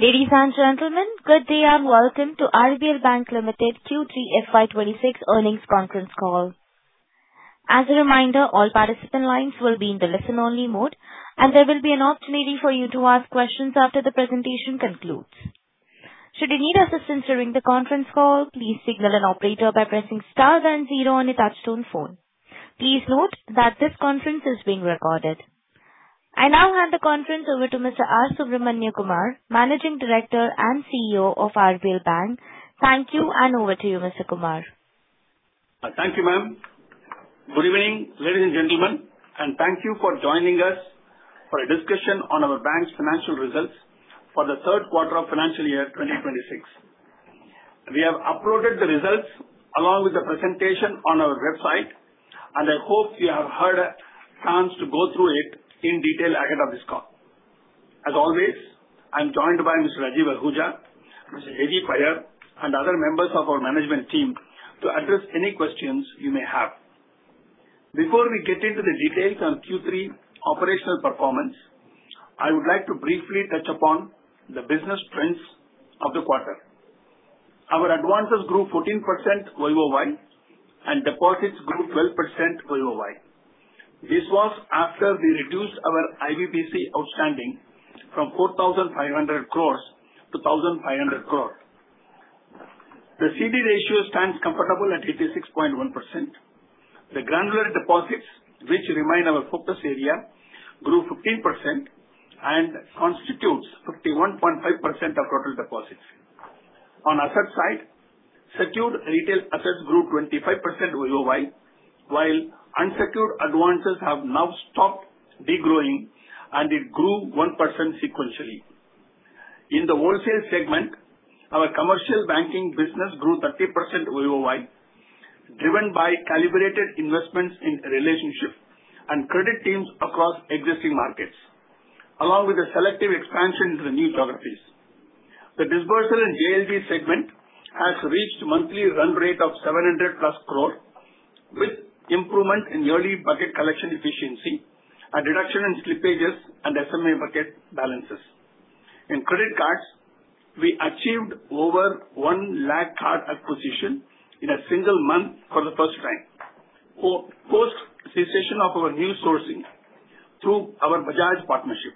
Ladies and gentlemen, good day, and welcome to RBL Bank Limited Q3 FY26 Earnings Conference Call. As a reminder, all participant lines will be in the listen-only mode, and there will be an opportunity for you to ask questions after the presentation concludes. Should you need assistance during the conference call, please signal an operator by pressing star then zero on your touchtone phone. Please note that this conference is being recorded. I now hand the conference over to Mr. R. Subramaniakumar, Managing Director and CEO of RBL Bank. Thank you, and over to you, Mr. Kumar. Thank you, ma'am. Good evening, ladies and gentlemen, and thank you for joining us for a discussion on our bank's financial results for the third quarter of financial year twenty twenty-six. We have uploaded the results along with the presentation on our website, and I hope you have had a chance to go through it in detail ahead of this call. As always, I'm joined by Mr. Rajeev Ahuja, Mr. Jaideep Iyer, and other members of our management team to address any questions you may have. Before we get into the details on Q3 operational performance, I would like to briefly touch upon the business trends of the quarter. Our advances grew 14% YOY, and deposits grew 12% YOY. This was after we reduced our IBPC outstanding from 4,500 crores to 1,500 crores. The CD ratio stands comfortable at 86.1%. The granular deposits, which remain our focus area, grew 15% and constitutes 51.5% of total deposits. On asset side, secured retail assets grew 25% YOY, while unsecured advances have now stopped degrowing and it grew 1% sequentially. In the wholesale segment, our commercial banking business grew 30% YOY, driven by calibrated investments in relationship and credit teams across existing markets, along with a selective expansion into the new geographies. The disbursement in JLG segment has reached monthly run rate of 700+ crore, with improvement in early bucket collection efficiency and reduction in slippages and SMA bucket balances. In credit cards, we achieved over 100,000 card acquisition in a single month for the first time, post cessation of our new sourcing through our Bajaj partnership.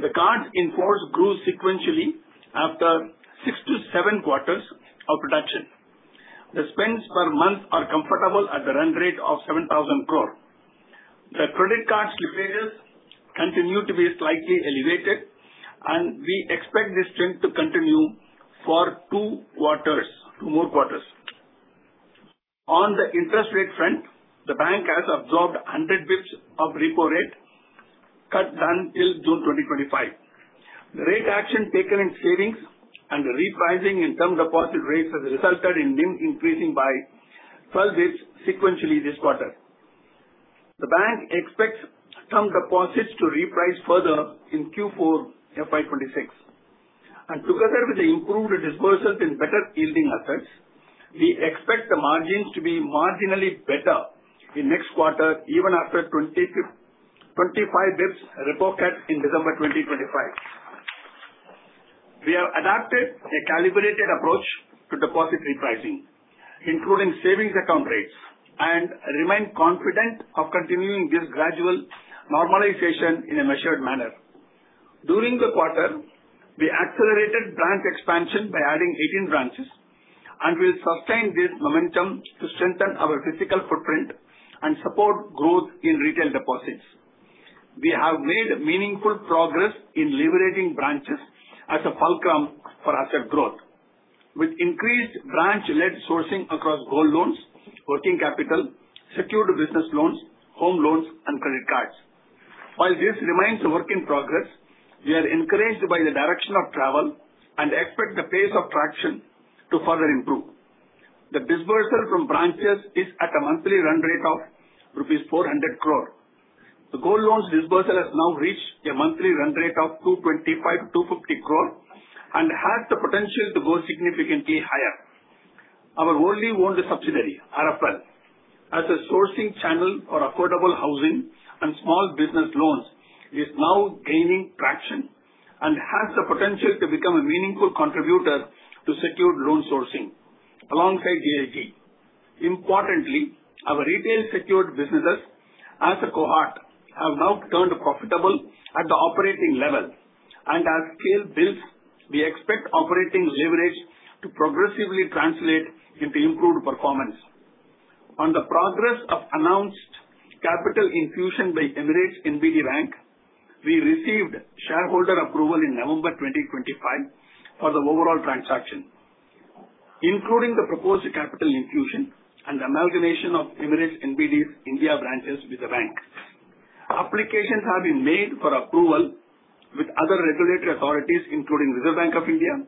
The cards in force grew sequentially after 6-7 quarters of reduction. The spends per month are comfortable at the run rate of 7,000 crore. The credit card slippages continue to be slightly elevated, and we expect this trend to continue for two quarters, two more quarters. On the interest rate front, the bank has absorbed 100 basis points of repo rate cut done till June twenty twenty-five. The rate action taken in savings and the repricing in term deposit rates has resulted in NIM increasing by 12 basis points sequentially this quarter. The bank expects term deposits to reprice further in Q4 FY twenty-six, and together with the improved disbursements and better yielding assets, we expect the margins to be marginally better in next quarter, even after 20-25 basis points repo cut in December twenty twenty-five. We have adapted a calibrated approach to deposit repricing, including savings account rates, and remain confident of continuing this gradual normalization in a measured manner. During the quarter, we accelerated branch expansion by adding 18 branches, and we'll sustain this momentum to strengthen our physical footprint and support growth in retail deposits. We have made meaningful progress in leveraging branches as a fulcrum for asset growth, with increased branch-led sourcing across gold loans, working capital, secured business loans, home loans and credit cards. While this remains a work in progress, we are encouraged by the direction of travel and expect the pace of traction to further improve. The disbursement from branches is at a monthly run rate of rupees 400 crore. The gold loans disbursement has now reached a monthly run rate of 225 crore-250 crore and has the potential to go significantly higher. Our wholly-owned subsidiary, RFL, as a sourcing channel for affordable housing and small business loans, is now gaining traction and has the potential to become a meaningful contributor to secured loan sourcing alongside JLG. Importantly, our retail secured businesses as a cohort have now turned profitable at the operating level, and as scale builds, we expect operating leverage to progressively translate into improved performance. On the progress of announced capital infusion by Emirates NBD Bank, we received shareholder approval in November twenty twenty-five for the overall transaction, including the proposed capital infusion and amalgamation of Emirates NBD's India branches with the bank. Applications have been made for approval with other regulatory authorities, including Reserve Bank of India,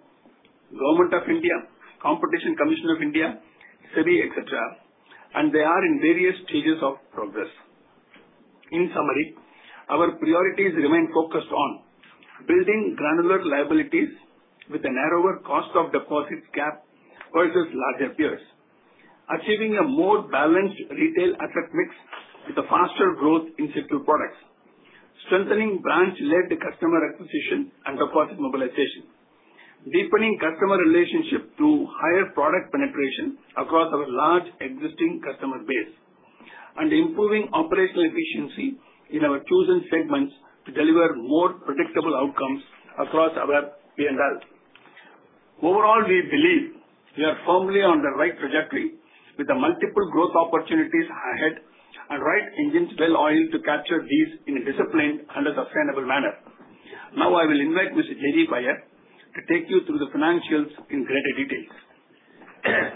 Government of India, Competition Commission of India, SEBI, et cetera, and they are in various stages of progress. In summary, our priorities remain focused on building granular liabilities with a narrower cost of deposits gap versus larger peers, achieving a more balanced retail asset mix with change faster growth in certain products, strengthening branch-led customer acquisition and deposit mobilization, deepening customer relationship through higher product penetration across our large existing customer base, and improving operational efficiency in our chosen segments to deliver more predictable outcomes across our P&L. Overall, we believe we are firmly on the right trajectory with the multiple growth opportunities ahead and right engines well-oiled to capture these in a disciplined and a sustainable manner. Now I will invite Mr. Jaideep Iyer to take you through the financials in greater details.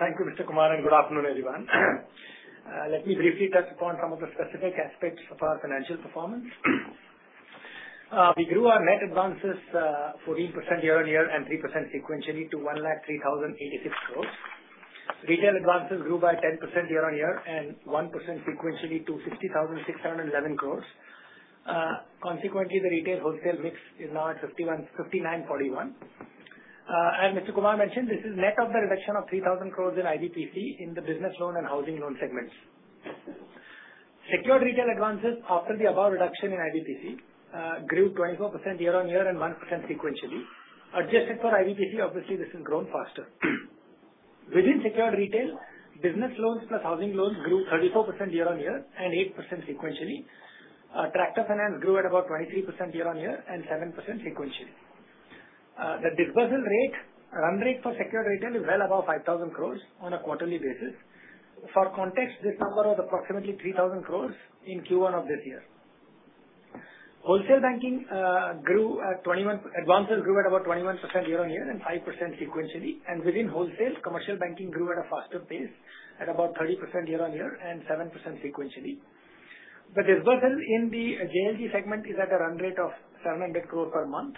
Thank you, Mr. Kumar, and good afternoon, everyone. Let me briefly touch upon some of the specific aspects of our financial performance. We grew our net advances 14% year-on-year and 3% sequentially to 1,03,086 crore. Retail advances grew by 10% year-on-year and 1% sequentially to 60,611 crore. Consequently, the retail wholesale mix is now at 59-41. As Mr. Kumar mentioned, this is net of the reduction of 3,000 crore in IBPC in the business loan and housing loan segments. Secured retail advances after the above reduction in IBPC grew 24% year-on-year and 1% sequentially. Adjusted for IBPC, obviously, this has grown faster. Within secured retail, business loans plus housing loans grew 34% year-on-year and 8% sequentially. Tractor finance grew at about 23% year-on-year and 7% sequentially. The disbursement rate, run rate for secured retail is well above 5,000 crores on a quarterly basis. For context, this number was approximately 3,000 crores in Q1 of this year. Wholesale banking advances grew at about 21% year-on-year and 5% sequentially, and within wholesale, commercial banking grew at a faster pace at about 30% year-on-year and 7% sequentially. The disbursement in the JLG segment is at a run rate of 700 crore per month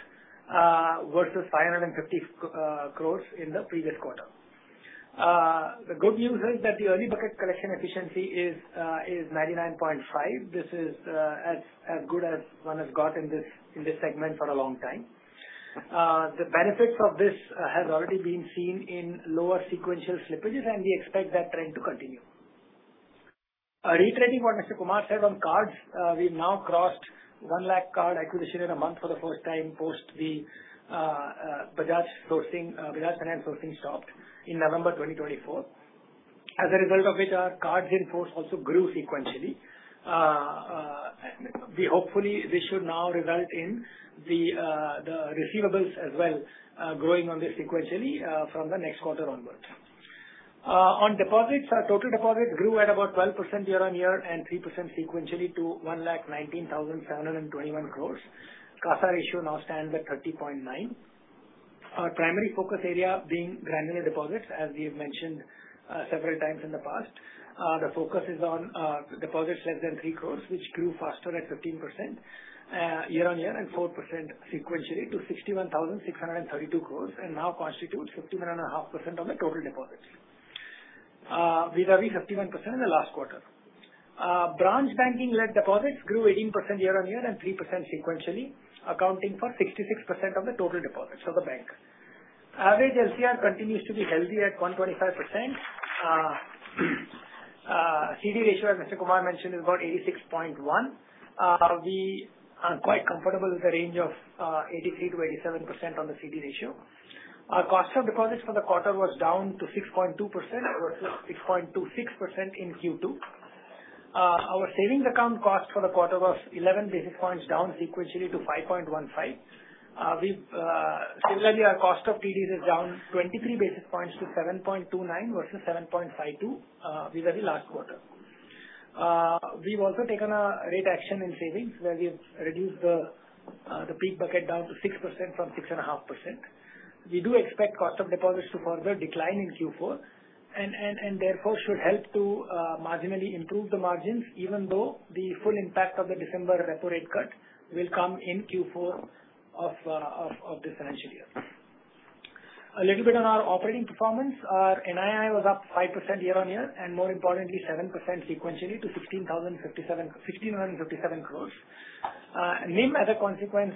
versus 550 crores in the previous quarter. The good news is that the early bucket collection efficiency is 99.5. This is as good as one has got in this segment for a long time. The benefits of this has already been seen in lower sequential slippages, and we expect that trend to continue. Reiterating what Mr. Kumar said on cards, we've now crossed 1 lakh card acquisition in a month for the first time, post the Bajaj Finance sourcing stopped in November 2024. As a result of which our cards in force also grew sequentially. We hope this should now result in the receivables as well, growing on this sequentially, from the next quarter onwards. On deposits, our total deposits grew at about 12% year-on-year and 3% sequentially to 119,721 crore. CASA ratio now stands at 30.9%. Our primary focus area being granular deposits, as we have mentioned several times in the past. The focus is on deposits less than 3 crore, which grew faster at 15% year-on-year and 4% sequentially to 61,632 crore, and now constitutes 51.5% of the total deposits vis-à-vis 51% in the last quarter. Branch banking-led deposits grew 18% year-on-year and 3% sequentially, accounting for 66% of the total deposits of the bank. Average LCR continues to be healthy at 1.5%. CD ratio, as Mr. Kumar mentioned, is about 86.1. We are quite comfortable with the range of 83%-87% on the CD ratio. Our cost of deposits for the quarter was down to 6.2% versus 6.26% in Q2. Our savings account cost for the quarter was 11 basis points, down sequentially to 5.15. We've similarly, our cost of TDs is down 23 basis points to 7.29 versus 7.52, vis-a-vis last quarter. We've also taken a rate action in savings, where we've reduced the peak bucket down to 6% from 6.5%. We do expect cost of deposits to further decline in Q4 and therefore should help to marginally improve the margins, even though the full impact of the December repo rate cut will come in Q4 of this financial year. A little bit on our operating performance. Our NII was up 5% year-on-year, and more importantly, 7% sequentially to 1,557 crores. NIM, as a consequence,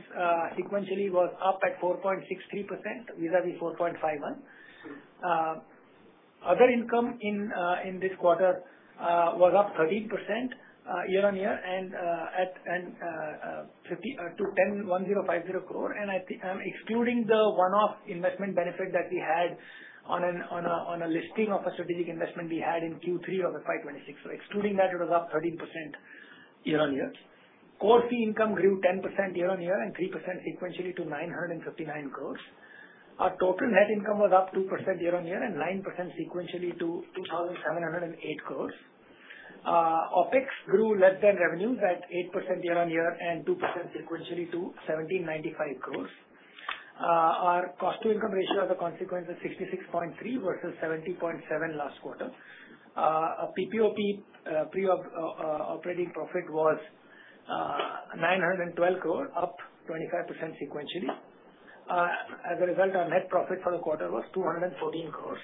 sequentially was up at 4.63% vis-a-vis 4.51%. Other income in this quarter was up 13% year-on-year and at 1,050 crore, and I think, excluding the one-off investment benefit that we had on a listing of a strategic investment we had in Q3 of the FY25. So excluding that, it was up 13% year-on-year. Core fee income grew 10% year-on-year and 3% sequentially to 959 crores. Our total net income was up 2% year-on-year and 9% sequentially to 2,708 crores. OpEx grew less than revenues at 8% year-on-year and 2% sequentially to 1,795 crores. Our cost to income ratio as a consequence is 66.3 versus 70.7 last quarter. Our PPOP, Pre-Provision Operating Profit was 912 crore, up 25% sequentially. As a result, our net profit for the quarter was 214 crore.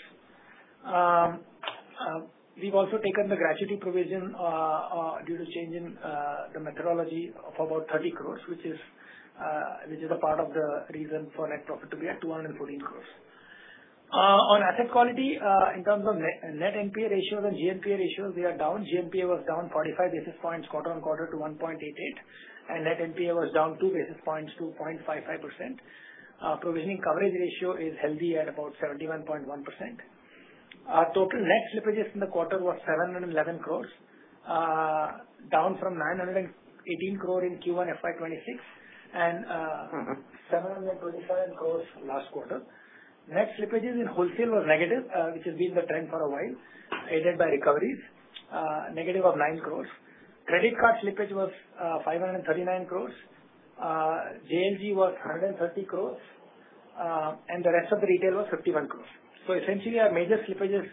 We've also taken the gratuity provision due to change in the methodology of about 30 crore, which is a part of the reason for net profit to be at 214 crore. On asset quality, in terms of net NPA ratios and GNPA ratios, they are down. GNPA was down 45 basis points, quarter on quarter to 1.88, and net NPA was down 2 basis points to 0.55%. Provisioning coverage ratio is healthy at about 71.1%. Our total net slippages in the quarter was 711 crore, down from 918 crore in Q1 FY26 and, Mm-hmm. Seven hundred and twenty-seven crores last quarter. Net slippages in wholesale was negative, which has been the trend for a while, aided by recoveries, negative of nine crores. Credit card slippage was, five hundred and thirty-nine crores, JLG was hundred and thirty crores, and the rest of the retail was fifty-one crores. So essentially, our major slippages,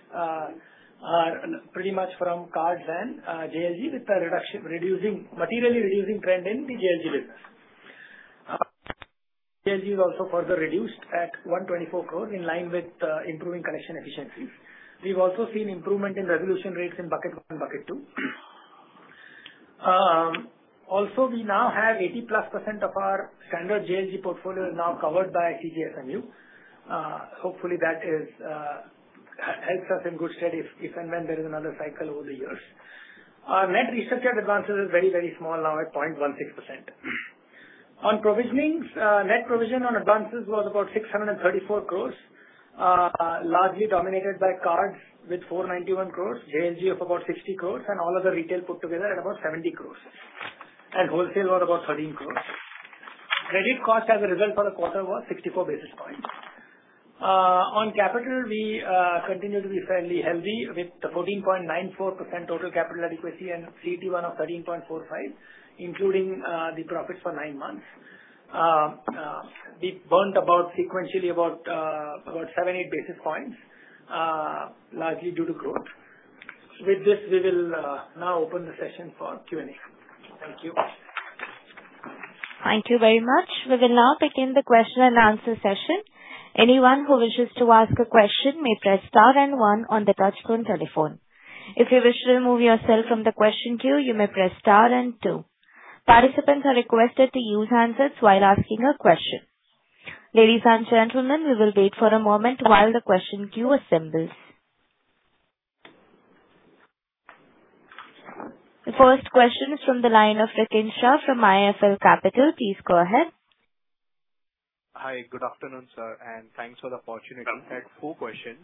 are pretty much from cards and, JLG, with a reduction, reducing, materially reducing trend in the JLG business. JLG is also further reduced at one twenty-four crore, in line with, improving collection efficiencies. We've also seen improvement in resolution rates in bucket one and bucket two. Also, we now have eighty plus percent of our standard JLG portfolio is now covered by CGTMSE. Hopefully, that is, helps us in good stead, if, if and when there is another cycle over the years. Our net restructured advances is very, very small, now at 0.16%. On provisionings, net provision on advances was about 634 crore, largely dominated by cards with 491 crore, JLG of about 60 crore and all other retail put together at about 70 crore, and wholesale was about 13 crore. Credit cost as a result for the quarter was 64 basis points. On capital, we continue to be fairly healthy, with the 14.94% total capital adequacy and CET1 of 13.45, including the profits for nine months. We burnt about sequentially about 7-8 basis points, largely due to growth. With this, we will now open the session for Q&A. Thank you. Thank you very much. We will now begin the question and answer session. Anyone who wishes to ask a question may press star and one on the touchtone telephone. If you wish to remove yourself from the question queue, you may press star and two. Participants are requested to use handsets while asking a question. Ladies and gentlemen, we will wait for a moment while the question queue assembles. The first question is from the line of Rikin Shah from IIFL Capital. Please go ahead. Hi, good afternoon, sir, and thanks for the opportunity. I had four questions.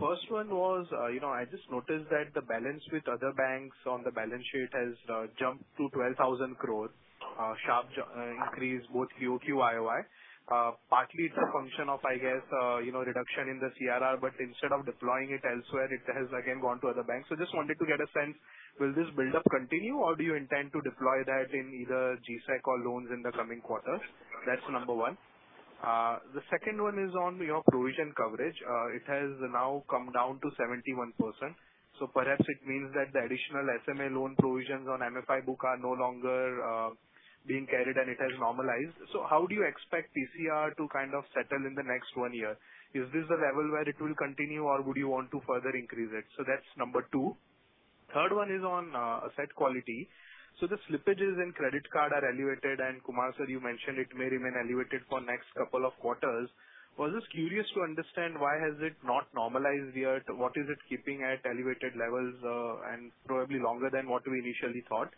First one was, you know, I just noticed that the balance with other banks on the balance sheet has jumped to 12,000 crore, sharp increase both QOQ, YOY. Partly it's a function of, I guess, you know, reduction in the CRR, but instead of deploying it elsewhere, it has again gone to other banks. So just wanted to get a sense, will this buildup continue, or do you intend to deploy that in either G-Sec or loans in the coming quarters? That's number one. The second one is on your provision coverage. It has now come down to 71%. So perhaps it means that the additional SMA loan provisions on MFI book are no longer being carried and it has normalized. So how do you expect PCR to kind of settle in the next one year? Is this the level where it will continue, or would you want to further increase it? So that's number two. Third one is on asset quality. So the slippages in credit card are elevated, and Kumar, sir, you mentioned it may remain elevated for next couple of quarters. I was just curious to understand why has it not normalized yet? What is it keeping at elevated levels, and probably longer than what we initially thought?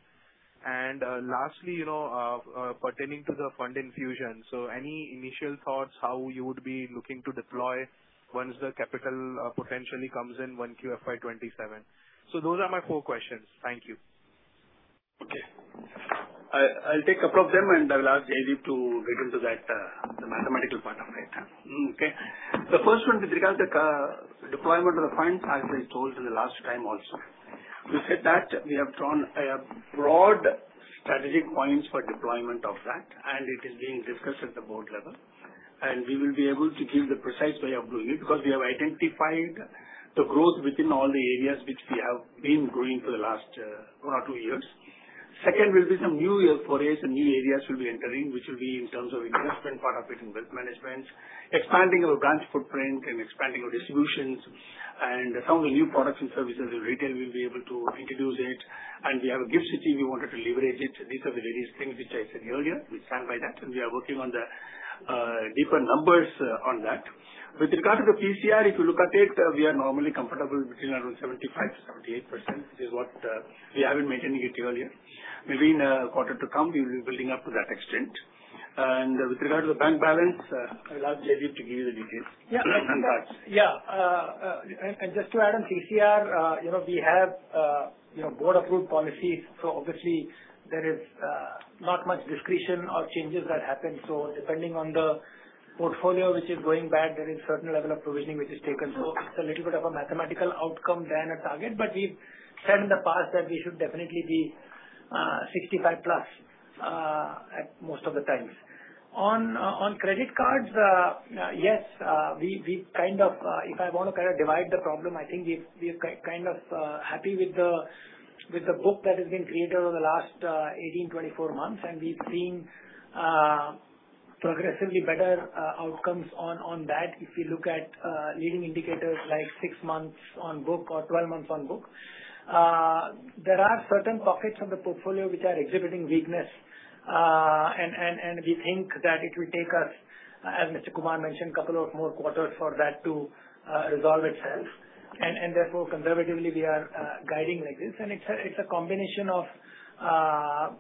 And lastly, you know, pertaining to the fund infusion, so any initial thoughts how you would be looking to deploy once the capital potentially comes in 1Q FY27? So those are my four questions. Thank you. Okay. I'll take a couple of them, and I will ask Rajeev to get into that, the mathematical part of it. Okay. The first one, with regard to deployment of the funds, as I told you the last time also. With that, we have drawn a broad strategic points for deployment of that, and it is being discussed at the board level, and we will be able to give the precise way of doing it, because we have identified the growth within all the areas which we have been growing for the last one or two years. Second, will be some new areas, forays and new areas we'll be entering, which will be in terms of investment, part of it in wealth management, expanding our branch footprint and expanding our distributions, and some of the new products and services in retail, we'll be able to introduce it. And we have a GIFT City, we wanted to leverage it. These are the various things which I said earlier. We stand by that, and we are working on the different numbers on that. With regard to the PCR, if you look at it, we are normally comfortable between around 75%-78%. This is what we have been maintaining it earlier. Within a quarter to come, we'll be building up to that extent. And with regard to the bank balance, I'll allow Rajeev to give you the details. Yeah. Yeah, and just to add on PCR, you know, we have, you know, board-approved policies, so obviously there is not much discretion or changes that happen. So depending on the portfolio which is going bad, there is certain level of provisioning which is taken. So it's a little bit of a mathematical outcome than a target, but we've said in the past that we should definitely be 65 plus at most of the times. On credit cards, yes, we kind of, if I want to kind of divide the problem, I think we are kind of happy with the book that has been created over the last 18, 24 months, and we've seen progressively better outcomes on that. If you look at leading indicators like 6 months on book or 12 months on book, there are certain pockets of the portfolio which are exhibiting weakness, and we think that it will take us, as Mr. Kumar mentioned, a couple of more quarters for that to resolve itself, and therefore, conservatively, we are guiding like this. It's a combination of,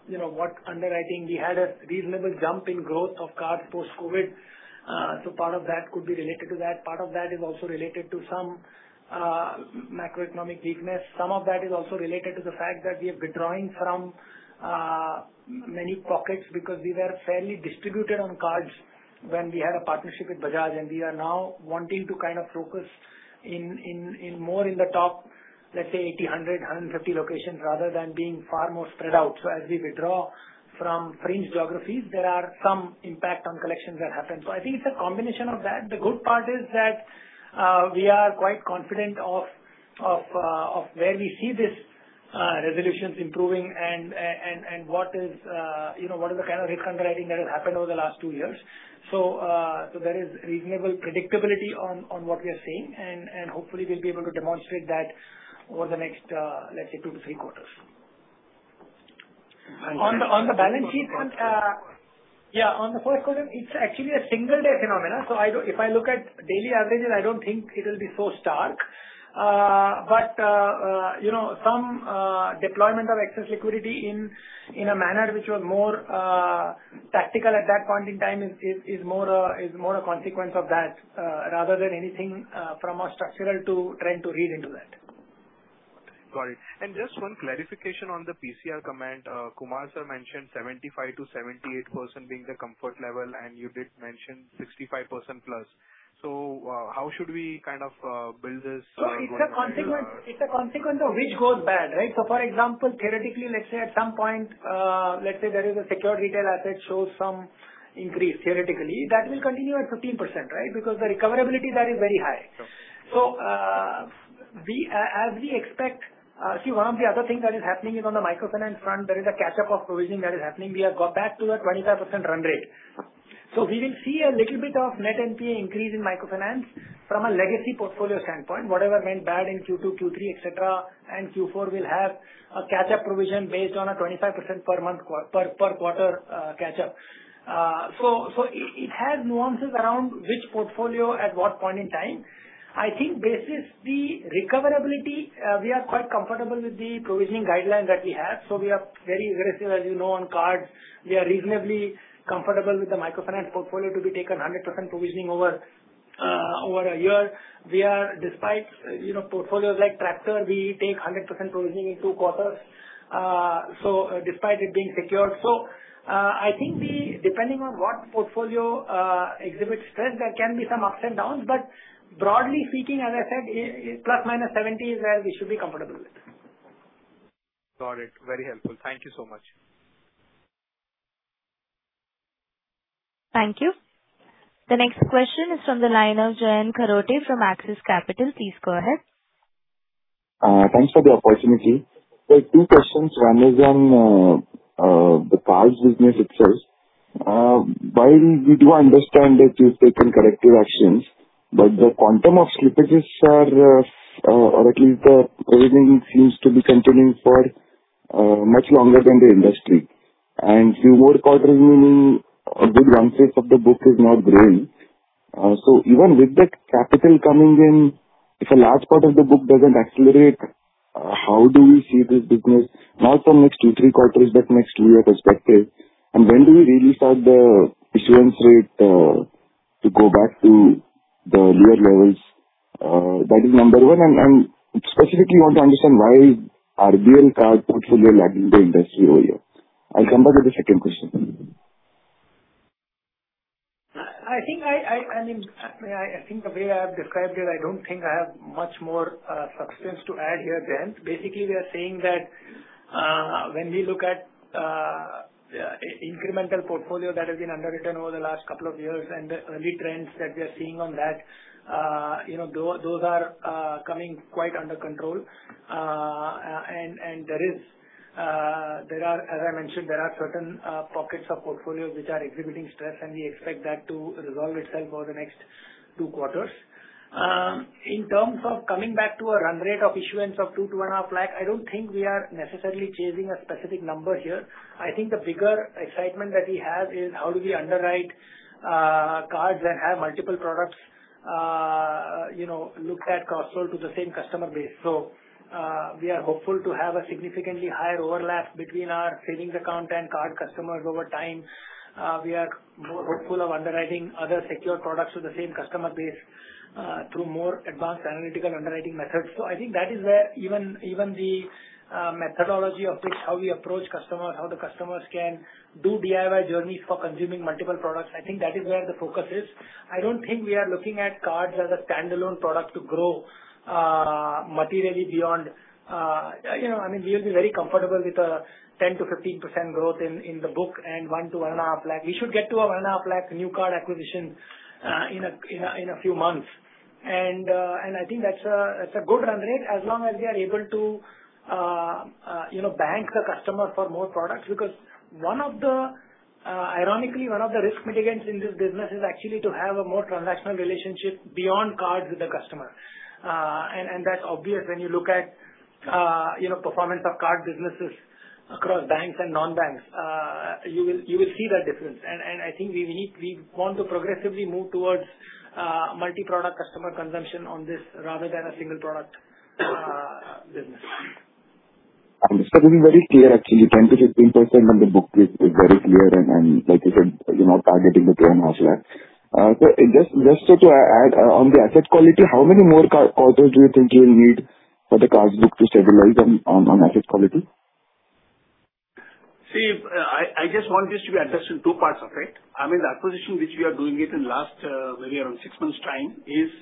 you know, what underwriting, we had a reasonable jump in growth of cards post-COVID. So part of that could be related to that. Part of that is also related to some macroeconomic weakness. Some of that is also related to the fact that we are withdrawing from many pockets because we were fairly distributed on cards when we had a partnership with Bajaj. We are now wanting to kind of focus in more in the top, let's say, eighty, hundred and fifty locations, rather than being far more spread out. So as we withdraw from fringe geographies, there are some impact on collections that happen. So I think it's a combination of that. The good part is that we are quite confident of where we see this resolutions improving and what is, you know, the kind of risk underwriting that has happened over the last two years. So there is reasonable predictability on what we are seeing, and hopefully we'll be able to demonstrate that over the next, let's say, two to three quarters. Thank you. On the balance sheet front. Yeah, on the first question, it's actually a single day phenomenon. So if I look at daily averages, I don't think it'll be so stark. But you know, some deployment of excess liquidity in a manner which was more tactical at that point in time is more a consequence of that rather than anything from a structural to trying to read into that. Got it. And just one clarification on the PCR comment. Kumar sir mentioned 75%-78% being the comfort level, and you did mention 65% plus. So, how should we kind of build this going forward? So it's a consequence, it's a consequence of which goes bad, right? So for example, theoretically, let's say at some point, let's say there is a secured retail asset shows some increase, theoretically, that will continue at 15%, right? Because the recoverability there is very high. Sure. One of the other things that is happening is on the microfinance front. There is a catch-up of provision that is happening. We have got back to the 25% run rate. We will see a little bit of net NPA increase in microfinance from a legacy portfolio standpoint. Whatever went bad in Q2, Q3, et cetera, and Q4 will have a catch-up provision based on a 25% per month per quarter catch up. It has nuances around which portfolio at what point in time. I think based on the recoverability, we are quite comfortable with the provisioning guideline that we have. We are very aggressive, as you know, on cards. We are reasonably comfortable with the microfinance portfolio to be taken 100% provisioning over a year. We are, despite, you know, portfolios like tractor, we take 100% provisioning in two quarters, so despite it being secured. So, I think, depending on what portfolio exhibits stress, there can be some ups and downs. But broadly speaking, as I said, plus minus 70% is where we should be comfortable with. Got it. Very helpful. Thank you so much. Thank you. The next question is from the line of Jayant Kharote from Axis Capital. Please go ahead. Thanks for the opportunity. So two questions, one is on the cards business itself. While we do understand that you've taken corrective actions, but the quantum of slippages are or at least the provisioning seems to be continuing for much longer than the industry. And few more quarters, meaning a good run rate of the book is not growing. So even with that capital coming in, if a large part of the book doesn't accelerate, how do you see this business, not for next two, three quarters, but next two-year perspective? And when do you really start the issuance rate to go back to the lower levels? That is number one. And specifically, I want to understand why RBL card portfolio lagging the industry over here. I'll come back with the second question. I think, I mean, I think the way I have described it, I don't think I have much more substance to add here, Jayant. Basically, we are saying that when we look at incremental portfolio that has been underwritten over the last couple of years and the early trends that we are seeing on that, you know, those are coming quite under control, and there are, as I mentioned, there are certain pockets of portfolios which are exhibiting stress, and we expect that to resolve itself over the next two quarters. In terms of coming back to a run rate of issuance of two to two and a half lakh, I don't think we are necessarily chasing a specific number here. I think the bigger excitement that we have is how do we underwrite cards that have multiple products, you know, looked at cross-sell to the same customer base. So, we are hopeful to have a significantly higher overlap between our savings account and card customers over time. We are more hopeful of underwriting other secure products with the same customer base through more advanced analytical underwriting methods. So I think that is where even the methodology of which how we approach customers, how the customers can do DIY journeys for consuming multiple products, I think that is where the focus is. I don't think we are looking at cards as a standalone product to grow materially beyond... you know, I mean, we'll be very comfortable with a 10-15% growth in the book and 1 to 1.5 lakh. We should get to our 1.5 lakh new card acquisition in a few months.... and, and I think that's a, that's a good run rate, as long as we are able to, you know, bank the customer for more products. Because one of the, ironically, one of the risk mitigants in this business is actually to have a more transactional relationship beyond cards with the customer. And, and that's obvious when you look at, you know, performance of card businesses across banks and non-banks. You will, you will see that difference. And, and I think we need- we want to progressively move towards, multi-product customer consumption on this, rather than a single product, business. Understood. It is very clear, actually, 10%-15% on the book is very clear, and like you said, you're not targeting the PM also. So just so to add on the asset quality, how many more quarters do you think you'll need for the card book to stabilize on asset quality? See, I just want this to be addressed in two parts of it. I mean, the acquisition which we are doing it in last, maybe around six months' time, is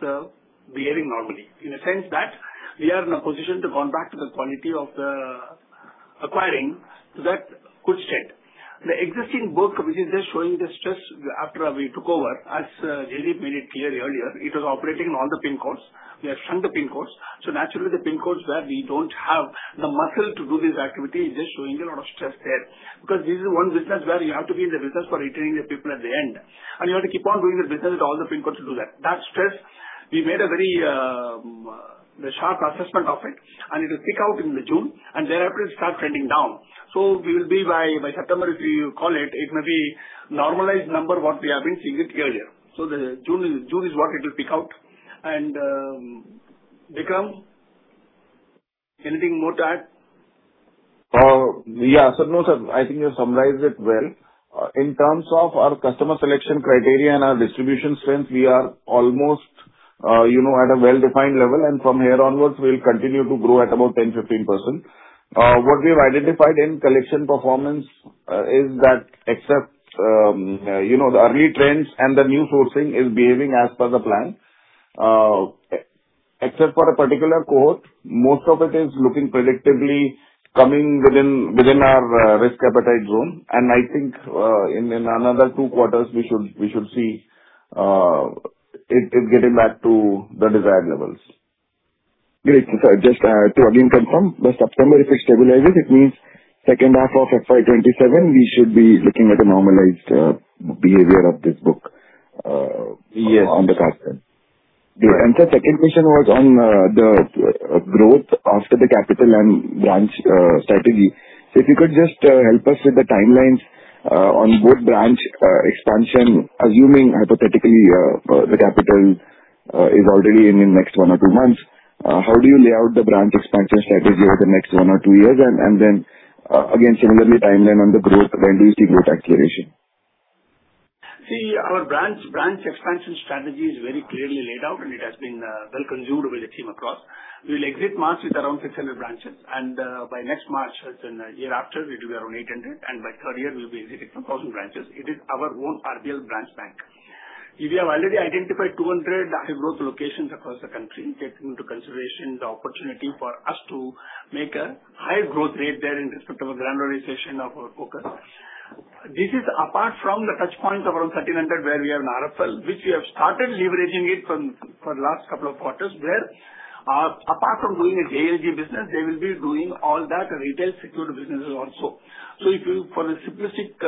behaving normally, in a sense that we are in a position to go back to the quality of the acquisition, so that could check. The existing book, which is just showing the stress after we took over, as Jaideep made it clear earlier, it was operating on all the PIN codes. We have shrunk the PIN codes, so naturally, the PIN codes where we don't have the muscle to do this activity, is just showing a lot of stress there. Because this is one business where you have to be in the business for retaining the people at the end, and you have to keep on doing this business with all the PIN codes to do that. That stress, we made a very sharp assessment of it, and it will peak out in the June, and thereafter start trending down. So we will be by, by September, if you call it, it may be normalized number what we have been seeing it earlier. So the June is what it will peak out. And, Bikram, anything more to add? Yeah. So no, sir, I think you summarized it well. In terms of our customer selection criteria and our distribution strength, we are almost, you know, at a well-defined level, and from here onwards we'll continue to grow at about 10-15%. What we have identified in collection performance is that except, you know, the early trends and the new sourcing is behaving as per the plan. Except for a particular cohort, most of it is looking predictively coming within our risk appetite zone. And I think, in another two quarters we should see it getting back to the desired levels. Great. So just, to again confirm, by September, if it stabilizes, it means second half of FY27, we should be looking at a normalized behavior of this book. Yes. on the card front. And the second question was on the growth after the capital and branch strategy. So if you could just help us with the timelines on both branch expansion, assuming hypothetically the capital is already in next one or two months. How do you lay out the branch expansion strategy over the next one or two years? And then, again, similarly, timeline on the growth, when do you see growth acceleration? See, our branch expansion strategy is very clearly laid out and it has been well consumed by the team across. We will exit March with around 600 branches, and by next March, as in a year after, it will be around 800, and by third year, we'll be around 2,000 branches. It is our own RBL branch bank. We have already identified 200 high growth locations across the country, taking into consideration the opportunity for us to make a high growth rate there in respect of the generalization of our focus. This is apart from the touch points, around 1,300, where we have an RFL, which we have started leveraging it from for last couple of quarters, where apart from doing a JLG business, they will be doing all that retail secured businesses also. So if you, for the simplistic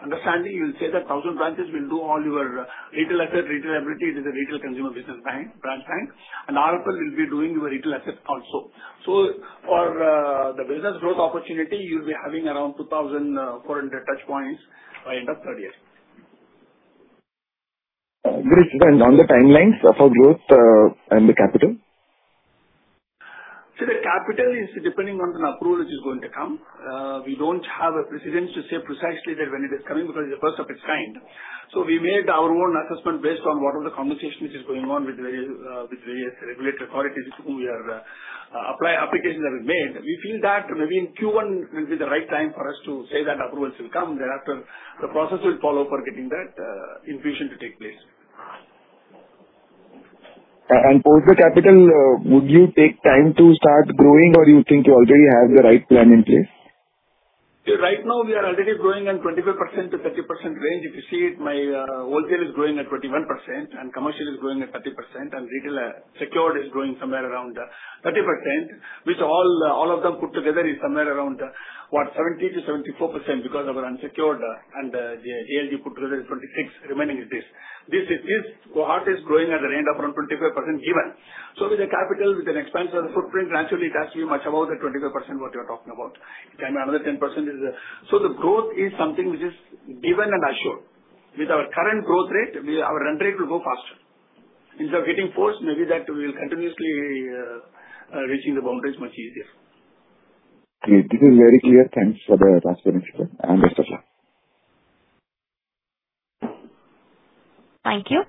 understanding, you'll say that thousand branches will do all your retail asset, retail liability to the retail consumer business bank, branch bank, and RFL will be doing your retail assets also. So for the business growth opportunity, you'll be having around two thousand four hundred touch points by end of third year. Great. And on the timelines for growth, and the capital? So the capital is depending on the approval which is going to come. We don't have a precedent to say precisely that when it is coming, because it's the first of its kind. So we made our own assessment based on what are the conversations is going on with various, with various regulatory authorities who we are, applications that we made. We feel that maybe in Q1 will be the right time for us to say that approvals will come, thereafter the process will follow for getting that, infusion to take place. And post the capital, would you take time to start growing, or you think you already have the right plan in place? Right now, we are already growing on 25%-30% range. If you see it, my wholesale is growing at 21% and commercial is growing at 30%, and retail secured is growing somewhere around 30%, which all of them put together is somewhere around what 70%-74%, because of our unsecured and the JLG put together is 26%, remaining is this. This part is growing at a rate of around 25% given. So with the capital, with an expansion of the footprint, naturally it has to be much above the 25% what you're talking about. Then another 10% is. So the growth is something which is given and assured. With our current growth rate, our run rate will go faster. Instead of getting pushed, maybe that we will continuously reaching the boundaries much easier. Great. This is very clear. Thanks for the transparency, and best of luck. Thank you.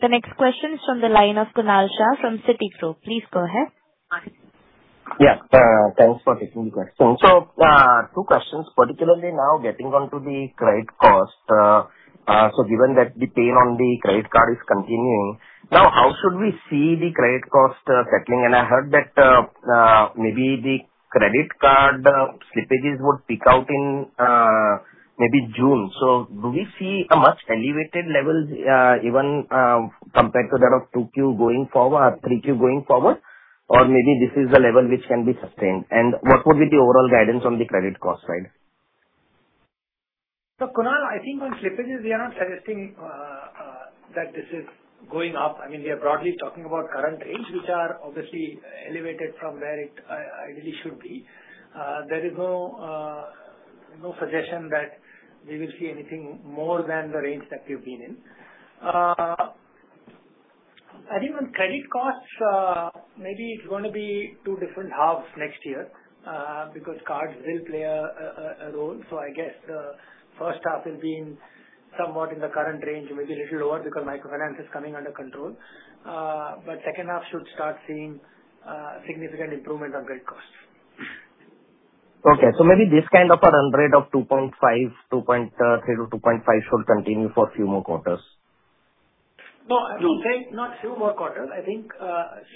The next question is from the line of Kunal Shah from Citigroup. Please go ahead. Yeah, thanks for taking the question. So, two questions, particularly now getting on to the credit cost. So given that the pain on the credit card is continuing, now, how should we see the credit cost settling? And I heard that, maybe the credit card slippages would peak out in, maybe June. So do we see a much elevated level, even, compared to that of two Q going forward, or three Q going forward? Or maybe this is the level which can be sustained? And what would be the overall guidance on the credit cost side? Kunal, I think on slippages, we are not suggesting that this is going up. I mean, we are broadly talking about current range, which are obviously elevated from where it ideally should be. There is no suggestion that we will see anything more than the range that we've been in. I think on credit costs, maybe it's going to be two different halves next year, because cards will play a role. I guess the first half will be somewhat in the current range, maybe a little lower, because microfinance is coming under control. Second half should start seeing significant improvement on credit costs. Okay, so maybe this kind of a run rate of two point three to two point five should continue for few more quarters? No, I would say not few more quarters. I think,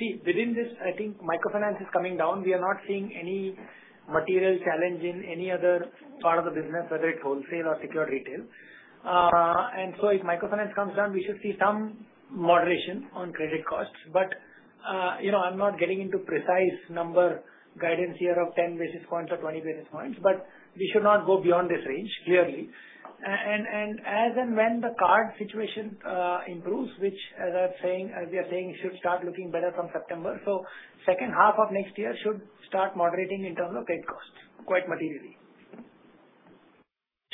see, within this, I think microfinance is coming down. We are not seeing any material challenge in any other part of the business, whether it's wholesale or secured retail. And so if microfinance comes down, we should see some moderation on credit costs. But, you know, I'm not getting into precise number guidance here of 10 basis points or 20 basis points, but we should not go beyond this range, clearly. And, and as and when the card situation improves, which as I'm saying, as we are saying, it should start looking better from September. So second half of next year should start moderating in terms of credit costs, quite materially.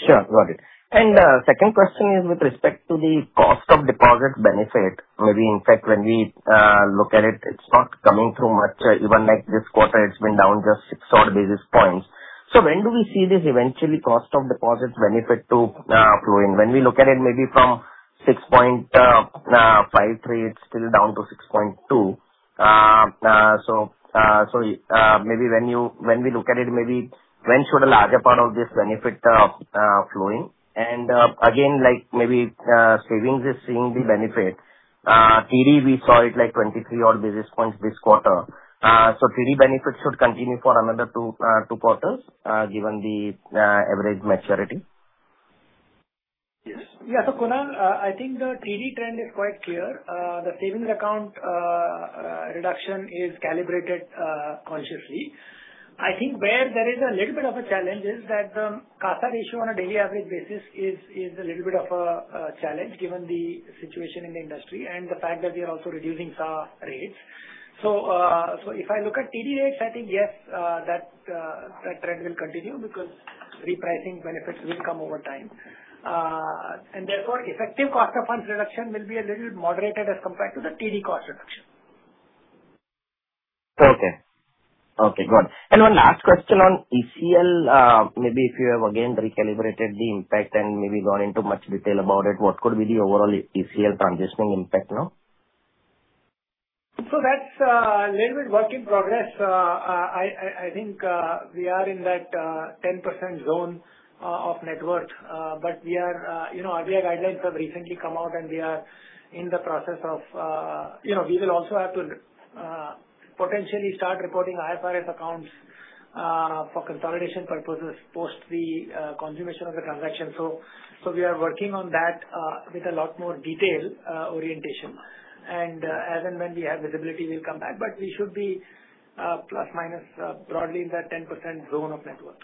Sure, got it. And, second question is with respect to the cost of deposit benefit. Maybe in fact, when we look at it, it's not coming through much. Even like this quarter, it's been down just six odd basis points. So when do we see this eventually cost of deposit benefit to flowing? When we look at it maybe from 6.53, it's still down to 6.2. So, maybe when we look at it, maybe when should a larger part of this benefit flowing? And, again, like maybe, savings is seeing the benefit. TD, we saw it like twenty-three odd basis points this quarter. So TD benefit should continue for another two quarters, given the average maturity? Yes. Yeah, so, Kunal, I think the TD trend is quite clear. The savings account reduction is calibrated consciously. I think where there is a little bit of a challenge is that the CASA ratio on a daily average basis is a little bit of a challenge, given the situation in the industry and the fact that we are also reducing CA rates. So, so if I look at TD rates, I think, yes, that trend will continue because repricing benefits will come over time. And therefore, effective cost of funds reduction will be a little moderated as compared to the TD cost reduction. Okay. Okay, got it. And one last question on ECL. Maybe if you have again recalibrated the impact and maybe gone into much detail about it, what could be the overall ECL transitioning impact now? So that's a little bit of work in progress. I think we are in that 10% zone of net worth. But we are, you know, RBI guidelines have recently come out, and we are in the process of... You know, we will also have to potentially start reporting IFRS accounts for consolidation purposes post the consummation of the transaction. So we are working on that with a lot more detailed orientation. And as and when we have visibility, we'll come back, but we should be plus minus broadly in that 10% zone of net worth.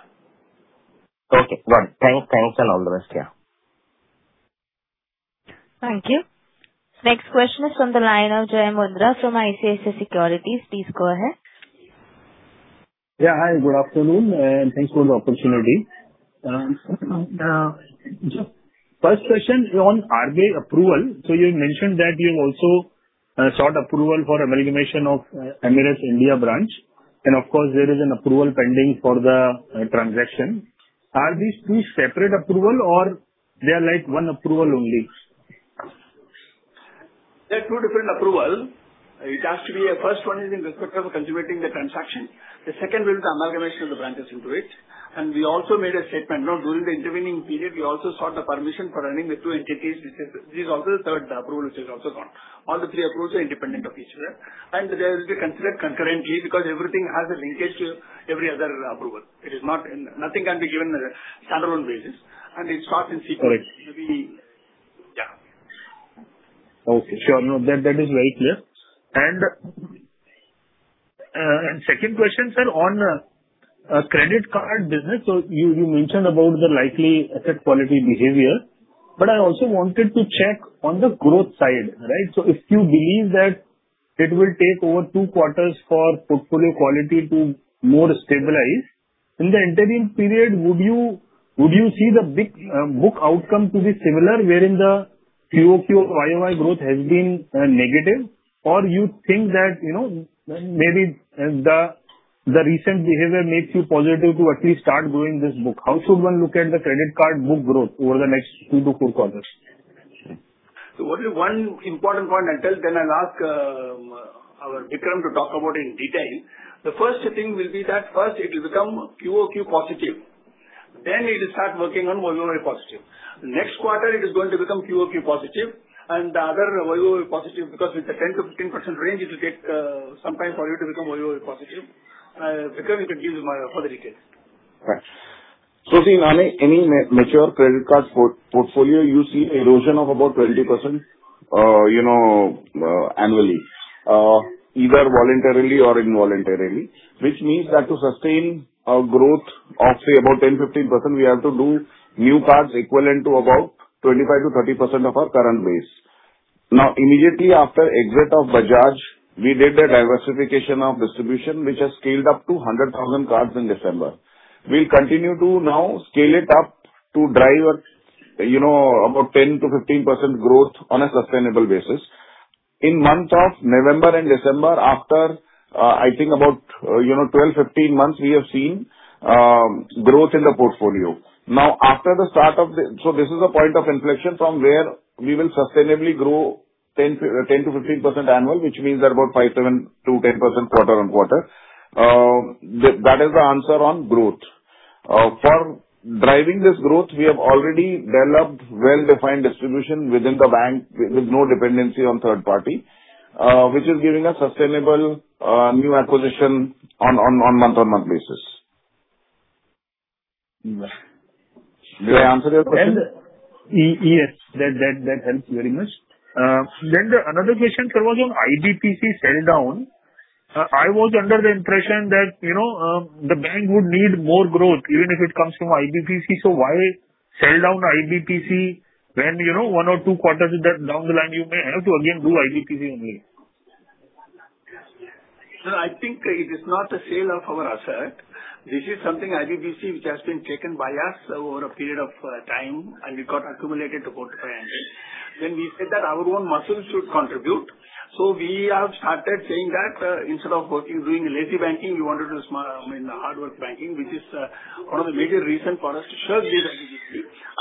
Okay, got it. Thanks, thanks, and all the best. Yeah. Thank you. Next question is from the line of Jai Mundhra from ICICI Securities. Please go ahead. Yeah, hi, good afternoon, and thanks for the opportunity. First question on RBI approval. So you mentioned that you've also sought approval for amalgamation of Emirates NBD India branch, and of course, there is an approval pending for the transaction. Are these two separate approval or they are like one approval only? are two different approvals. It has to be. The first one is in respect of consummating the transaction. The second will be the amalgamation of the branches into it. And we also made a statement, you know, during the intervening period. We also sought the permission for running the two entities. This is also the third approval, which is also gone. All the three approvals are independent of each other, and they will be considered concurrently because everything has a linkage to every other approval. It is not... Nothing can be given on a standalone basis, and it's sought in sequence. Correct. Maybe... Yeah. Okay, sure. No, that, that is very clear. And second question, sir, on credit card business. So you mentioned about the likely asset quality behavior, but I also wanted to check on the growth side, right? So if you believe that it will take over two quarters for portfolio quality to more stabilize, in the interim period, would you see the book outcome to be similar, wherein the QOQ YOY growth has been negative? Or you think that, you know, maybe the recent behavior makes you positive to at least start growing this book. How should one look at the credit card book growth over the next two to four quarters? So only one important point I'll tell, then I'll ask, our Bikram to talk about it in detail. The first thing will be that first it will become QOQ positive, then it will start working on YOY positive. Next quarter, it is going to become QOQ positive and the other YOY positive, because with the 10%-15% range, it will take, some time for it to become YOY positive. Bikram, you can give him further details. Right.... So see, any mature credit card portfolio, you see erosion of about 20%, you know, annually, either voluntarily or involuntarily, which means that to sustain our growth of, say, about 10-15%, we have to do new cards equivalent to about 25-30% of our current base. Now, immediately after exit of Bajaj, we did a diversification of distribution, which has scaled up to 100,000 cards in December. We'll continue to now scale it up to drive a, you know, about 10-15% growth on a sustainable basis. In months of November and December after twelve, fifteen months, we have seen growth in the portfolio. So this is a point of inflection from where we will sustainably grow 10-15% annually, which means there’s about 5-7 to 10% quarter on quarter. That is the answer on growth. For driving this growth, we have already developed well-defined distribution within the bank, with no dependency on third party, which is giving us sustainable new acquisition on month-on-month basis. Did I answer your question? Yes, that helps very much. Then another question, sir, was on IBPC sell down. I was under the impression that, you know, the bank would need more growth even if it comes from IBPC, so why sell down IBPC when you know one or two quarters down the line you may have to again do IBPC only? Sir, I think it is not a sale of our asset. This is something IBPC, which has been taken by us over a period of time, and it got accumulated to 45 million. Then we said that our own muscle should contribute, so we have started saying that, instead of working, doing lazy banking, we wanted to I mean, hard work banking, which is one of the major reason for us to serve the IBPC.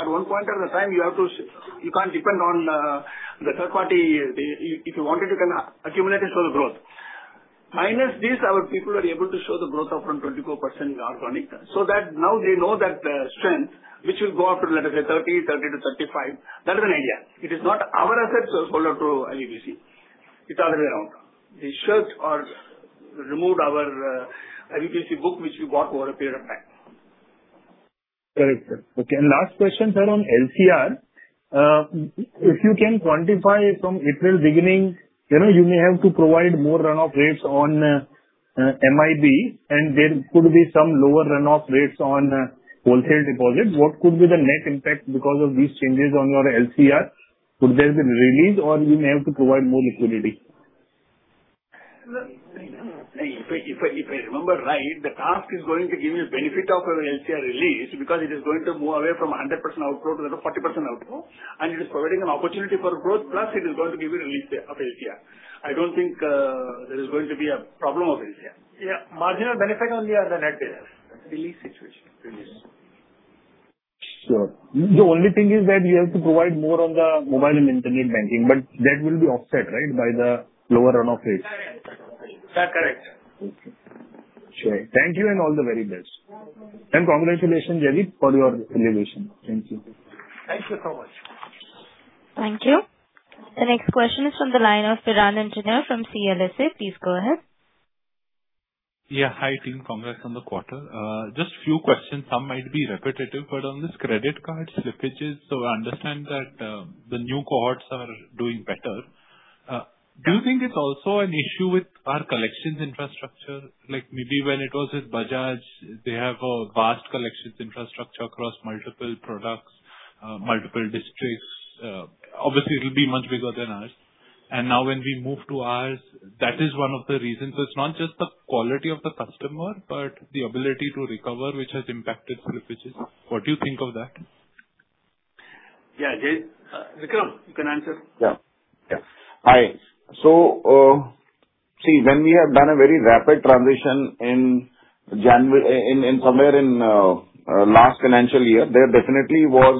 At one point at the time, you have to You can't depend on the third party. If, if you wanted, you can accumulate it for the growth. Minus this, our people are able to show the growth of from 24% in organic term. So that now they know that strength, which will go up to, let us say, 30-35. That is an idea. It is not our assets was sold out to IBPC. It's other way around. We should, or removed our, IBPC book, which we bought over a period of time. Correct, sir. Okay, and last question, sir, on LCR. If you can quantify from April beginning, you know, you may have to provide more run-off rates on MIB, and there could be some lower run-off rates on wholesale deposits. What could be the net impact because of these changes on your LCR? Could there be release or you may have to provide more liquidity? Sir, if I remember right, the cost is going to give you benefit of an LCR release, because it is going to move away from 100% outflow to the 40% outflow, and it is providing an opportunity for growth, plus it is going to give you release of LCR. I don't think there is going to be a problem of LCR. Yeah, marginal benefit only or the net release? Release situation. Release. Sure. The only thing is that you have to provide more on the mobile and internet banking, but that will be offset, right, by the lower run-off rates? That's correct. Okay. Sure. Thank you, and all the very best. Welcome. Congratulations, Jayant, for your elevation. Thank you. Thank you so much. Thank you. The next question is from the line of Piran Engineer from CLSA. Please go ahead. Yeah. Hi, team. Congrats on the quarter. Just few questions, some might be repetitive, but on this credit card slippages, so I understand that the new cohorts are doing better. Do you think it's also an issue with our collections infrastructure? Like, maybe when it was with Bajaj, they have a vast collections infrastructure across multiple products, multiple districts. Obviously, it'll be much bigger than ours. And now when we move to ours, that is one of the reasons. So it's not just the quality of the customer, but the ability to recover, which has impacted slippages. What do you think of that? Yeah, Jay, Bikram, you can answer. Yeah. Yeah. Hi. So, see, when we have done a very rapid transition in January, somewhere in last financial year, there definitely was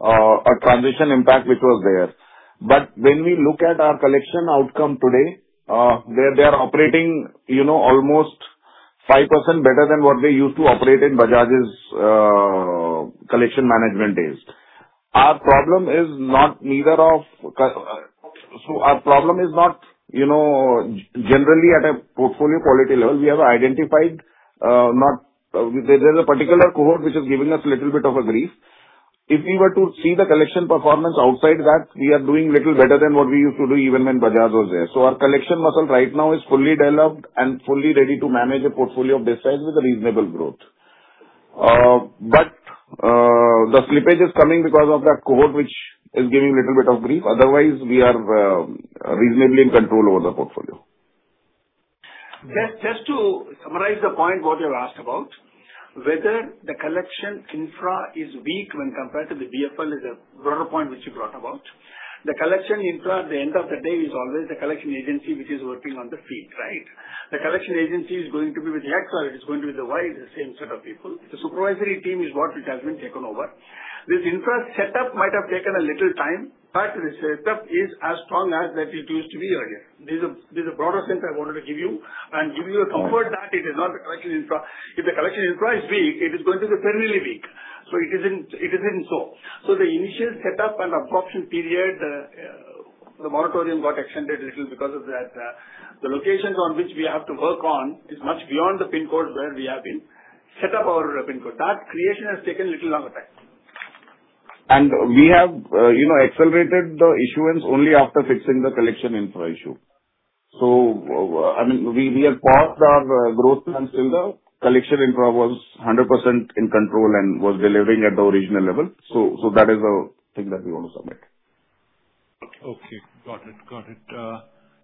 a transition impact, which was there. But when we look at our collection outcome today, they are operating, you know, almost 5% better than what we used to operate in Bajaj's collection management days. Our problem is not, so our problem is not, you know, generally at a portfolio quality level. We have identified. There's a particular cohort which is giving us a little bit of a grief. If we were to see the collection performance outside that, we are doing little better than what we used to do even when Bajaj was there. So our collection muscle right now is fully developed and fully ready to manage a portfolio of this size with a reasonable growth. But the slippage is coming because of that cohort, which is giving little bit of grief. Otherwise, we are reasonably in control over the portfolio. Just, just to summarize the point what you asked about, whether the collection infra is weak when compared to the BFL, is a broader point which you brought about. The collection infra, at the end of the day, is always the collection agency which is working on the field, right? The collection agency is going to be with the X or it is going to be the Y, the same set of people. The supervisory team is what which has been taken over. This infra setup might have taken a little time, but the setup is as strong as that it used to be earlier. There's a, there's a broader sense I wanted to give you, and give you a comfort that it is not the collection infra. If the collection infra is weak, it is going to be terribly weak, so it isn't, it isn't so. So the initial setup and absorption period.... the moratorium got extended a little because of that. The locations on which we have to work on is much beyond the pin codes where we have been set up our pin code. That creation has taken a little longer time. And we have, you know, accelerated the issuance only after fixing the collection infra issue. So, I mean, we have paused our growth until the collection infra was 100% in control and was delivering at the original level. So that is a thing that we want to submit. Okay, got it. Got it.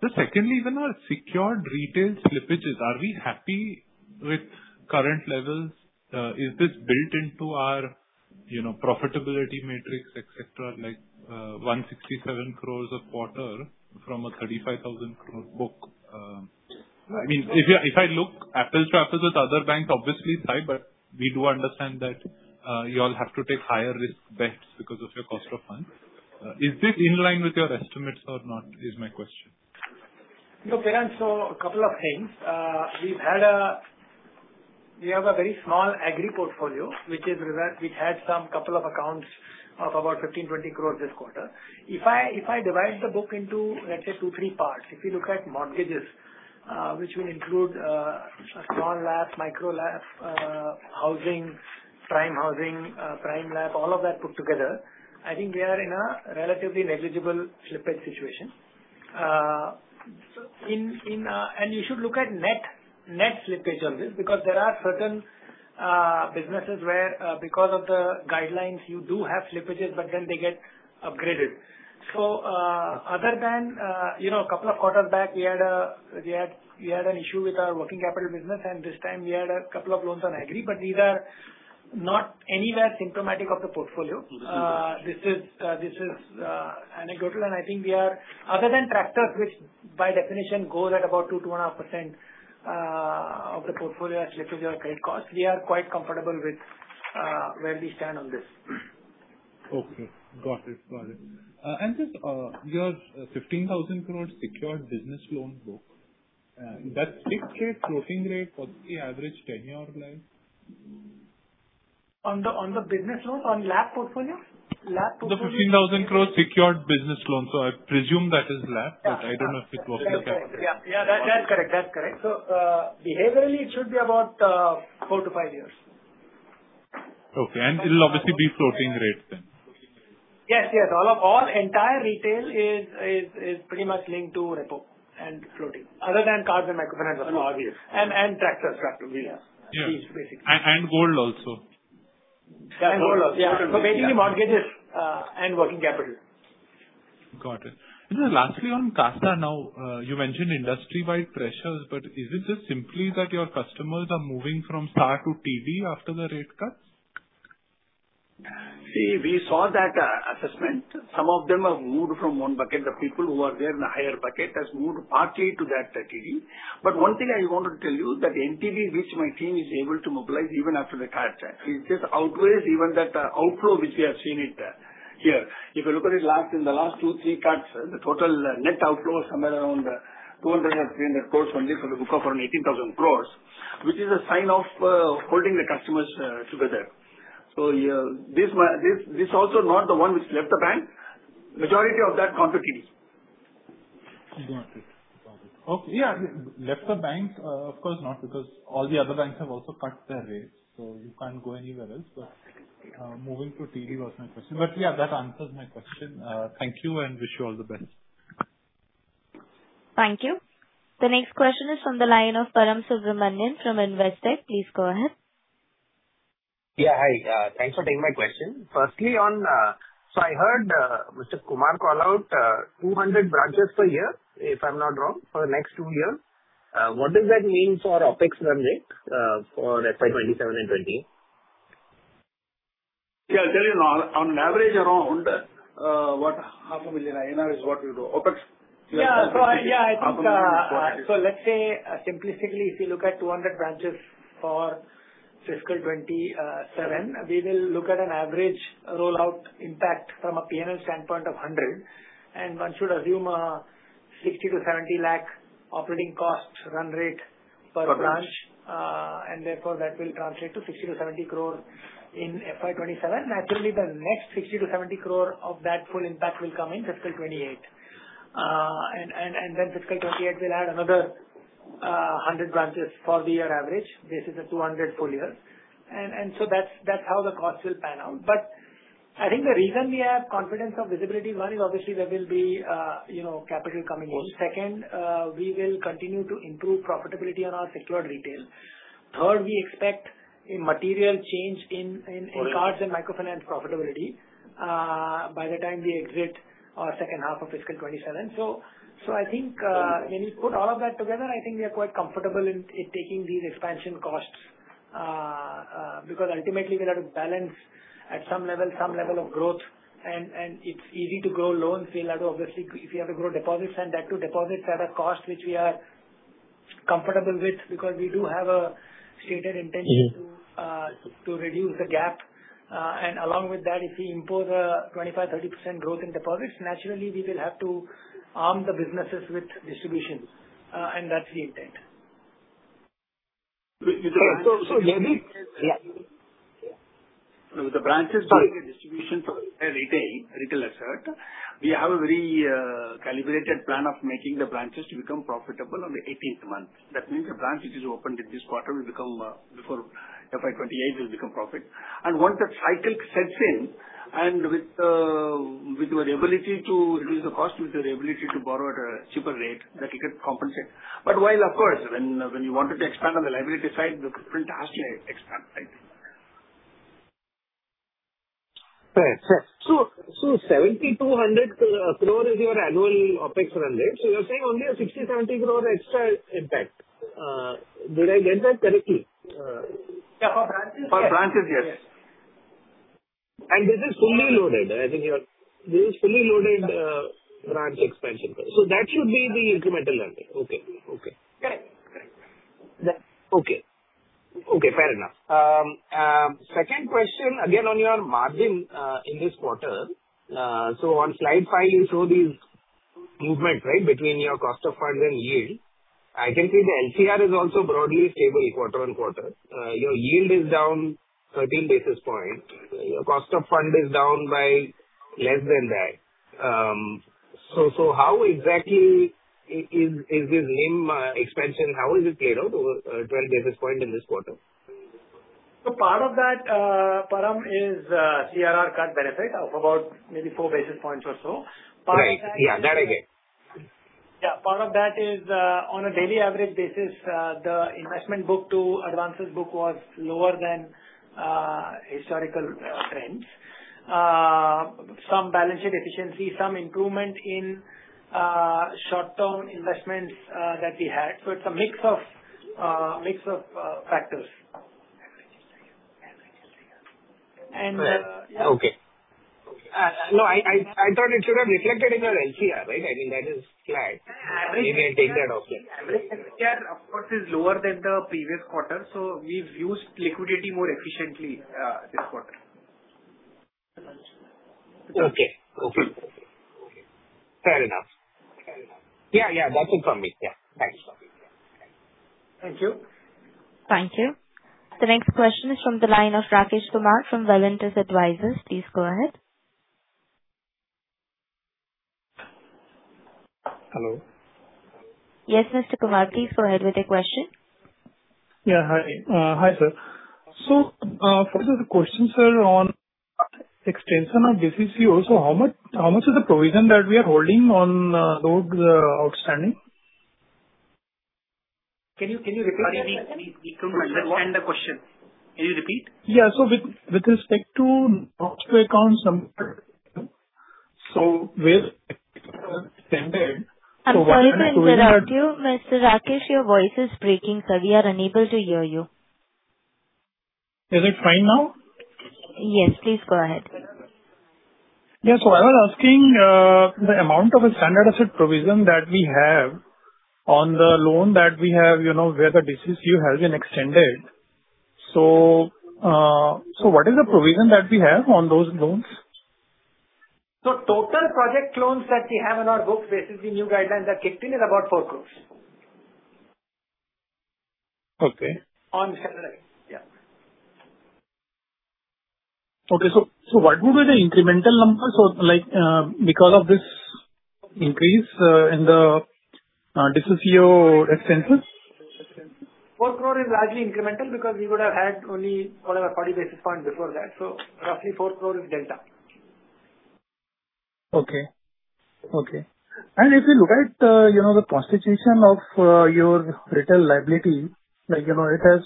Just secondly, on our secured retail slippages, are we happy with current levels? Is this built into our, you know, profitability matrix, et cetera, like, 167 crores a quarter from a 35,000 crore book? I mean, if you, if I look apple to apple with other banks, obviously, high, but we do understand that, you all have to take higher risk bets because of your cost of funds. Is this in line with your estimates or not, is my question. Look, Piran, so a couple of things. We have a very small agri portfolio, which is where we've had some couple of accounts of about 15-20 crore this quarter. If I, if I divide the book into, let's say, two, three parts, if you look at mortgages, which will include, small LAP, micro LAP, housing, prime housing, prime LAP, all of that put together, I think we are in a relatively negligible slippage situation. So in, in, You should look at net slippage on this, because there are certain businesses where, because of the guidelines, you do have slippages, but then they get upgraded. Other than, you know, a couple of quarters back, we had an issue with our working capital business, and this time we had a couple of loans on agri, but these are not anywhere symptomatic of the portfolio. This is anecdotal, and I think we are other than tractors, which by definition goes at about 2-2.5% of the portfolio slippage or credit costs. We are quite comfortable with where we stand on this. Okay, got it. Got it. And just your fifteen thousand crores secured business loan book, that fixed rate, floating rate, what's the average tenure life? On the business loans, on LAP portfolio? LAP portfolio. The fifteen thousand crores secured business loans, so I presume that is LAP. Yeah. But I don't know if it's working or not. Yeah. Yeah, that's correct. That's correct. So, behaviorally, it should be about four to five years. Okay, and it'll obviously be floating rates then? Yes, yes. All entire retail is pretty much linked to repo and floating, other than cars and microfinance as well. And obviously. And tractors. Tractors, yeah. Yeah. Basically. And gold also. Yeah, and gold also. Got it. So basically, mortgages and working capital. Got it. Just lastly, on CASA now, you mentioned industry-wide pressures, but is it just simply that your customers are moving from SA to TD after the rate cuts? See, we saw that assessment. Some of them have moved from one bucket, the people who are there in the higher bucket, has moved partly to that TD. But one thing I wanted to tell you, that TD, which my team is able to mobilize even after the cut, it just outweighs even that outflow which we have seen it here. If you look at the last, in the last 2-3 cuts, the total net outflow is somewhere around 200 or 300 crores only for the book of around 18,000 crores, which is a sign of holding the customers together. So, yeah, this one also not the one which left the bank, majority of that come to TD. Got it. Got it. Okay, yeah, left the bank, of course not, because all the other banks have also cut their rates, so you can't go anywhere else. But, moving to TD was my question. But yeah, that answers my question. Thank you, and wish you all the best. Thank you. The next question is from the line of Param Subramanian from InCred. Please go ahead. Yeah, hi. Thanks for taking my question. Firstly on... So I heard Mr. Kumar call out 200 branches per year, if I'm not wrong, for the next two years. What does that mean for our OpEx run rate for FY27 and 28? Yeah, I tell you, on average, around 500,000 is what we do, OpEx. Yeah. So I think, INR 500,000. Let's say, simplistically, if you look at 200 branches for fiscal 2027, we will look at an average rollout impact from a P&L standpoint of 100. And one should assume a 60-70 lakh operating costs run rate per branch. Got it. And therefore, that will translate to 60-70 crore in FY27. Naturally, the next 60-70 crore of that full impact will come in fiscal 2028. And then fiscal 2028, we'll add another 100 branches for the year average. This is a 200 full year. And so that's how the costs will pan out. But I think the reason we have confidence of visibility, one is obviously there will be, you know, capital coming in. Cool. Second, we will continue to improve profitability on our secured retail. Third, we expect a material change in- Got it. cars and microfinance profitability, by the time we exit our second half of fiscal twenty-seven. So, I think, Got it. When you put all of that together, I think we are quite comfortable in taking these expansion costs, because ultimately we'll have to balance at some level of growth, and it's easy to grow loans. We'll have to, obviously, if you have to grow deposits and that too, deposits are a cost which we are comfortable with, because we do have a stated intention- Mm-hmm. to reduce the gap. And along with that, if we impose a 25%-30% growth in deposits, naturally we will have to arm the businesses with disbursements, and that's the intent.... So maybe, yeah. With the branches distribution for retail, retail asset, we have a very calibrated plan of making the branches to become profitable on the eighteenth month. That means the branch which is opened in this quarter will become before FY28, will become profit. And once that cycle sets in, and with your ability to reduce the cost, with your ability to borrow at a cheaper rate, that will get compensated. But while of course, when you wanted to expand on the liability side, the footprint has to expand, right? Right. So, 7,200 crore is your annual OpEx run rate. So you're saying only an 60-70 crore extra impact? Did I get that correctly? Yeah, for branches. For branches, yes. Yes. This is fully loaded. I think you're... This is fully loaded, branch expansion. So that should be the incremental lender. Okay. Okay. Correct. Correct. Okay. Okay, fair enough. Second question, again, on your margin, in this quarter. So on slide five, you show these movement, right? Between your cost of funds and yield. I can see the LCR is also broadly stable quarter on quarter. Your yield is down thirteen basis points. Your cost of fund is down by less than that. So how exactly is this NIM expansion, how is it played out over twelve basis point in this quarter? So part of that, Param, is CRR cut benefit of about maybe four basis points or so. Part of that- Right. Yeah, that I get. Yeah. Part of that is, on a daily average basis, the investment book to advances book was lower than historical trends. Some balance sheet efficiency, some improvement in short-term investments that we had. So it's a mix of factors. And yeah. Okay. No, I thought it should have reflected in your LCR, right? I mean, that is flat. You maintain that, okay. Average LCR, of course, is lower than the previous quarter, so we've used liquidity more efficiently, this quarter. Okay. Okay. Okay. Fair enough. Fair enough. Yeah, yeah, that's it from me. Yeah. Thanks. Thank you. Thank you. The next question is from the line of Rakesh Kumar from Valentis Advisors. Please go ahead. Hello. Yes, Mr. Kumar, please go ahead with your question. Yeah, hi. Hi, sir. So, first of the question, sir, on extension of DCCO, also how much is the provision that we are holding on those outstanding? Can you repeat? Any improvement? Understand the question. Can you repeat? Yeah. So with respect to offshore accounts, so where extended, so- I'm sorry to interrupt you, Mr. Rakesh, your voice is breaking, sir, we are unable to hear you. Is it fine now? Yes, please go ahead. Yeah. So I was asking, the amount of a standard asset provision that we have on the loan that we have, you know, where the DCCO has been extended. So, what is the provision that we have on those loans? So, total project loans that we have in our books, this is the new guidelines that kicked in, is about 40 million. Okay. On Saturday. Yeah. Okay. So what would be the incremental number? So like, because of this increase in the DCCO extension. Four crore is largely incremental because we would have had only around forty basis points before that, so roughly four crore is delta. Okay. And if you look at, you know, the constitution of your retail liabilities, like, you know, it has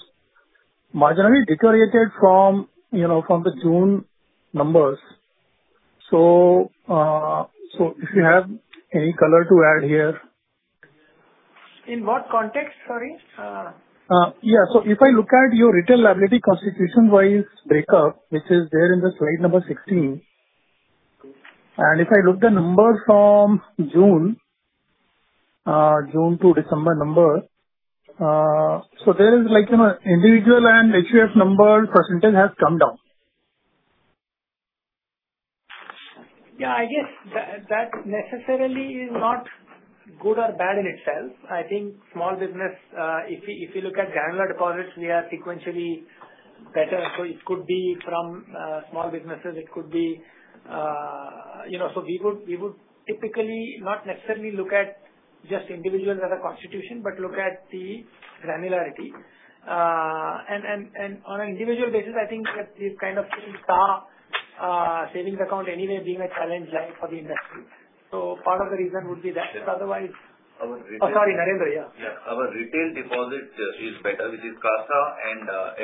marginally deteriorated from, you know, from the June numbers. So if you have any color to add here? In what context? Sorry... Yeah. So if I look at your retail liability constitution-wise breakup, which is there in the slide number 16, and if I look the number from June to December number, so there is like, you know, individual and HUF number percentage has come down. Yeah, I guess that, that necessarily is not good or bad in itself. I think small business, if you, if you look at granular deposits, we are sequentially better. So it could be from small businesses, it could be, you know. So we would, we would typically not necessarily look at just individuals as a constitution, but look at the granularity. And on an individual basis, I think that the kind of sort of savings account anyway being a challenging time for the industry. So part of the reason would be that. Yes. Otherwise- Our retail- Oh, sorry, Narendra, yeah. Yeah. Our retail deposit is better, which is CASA and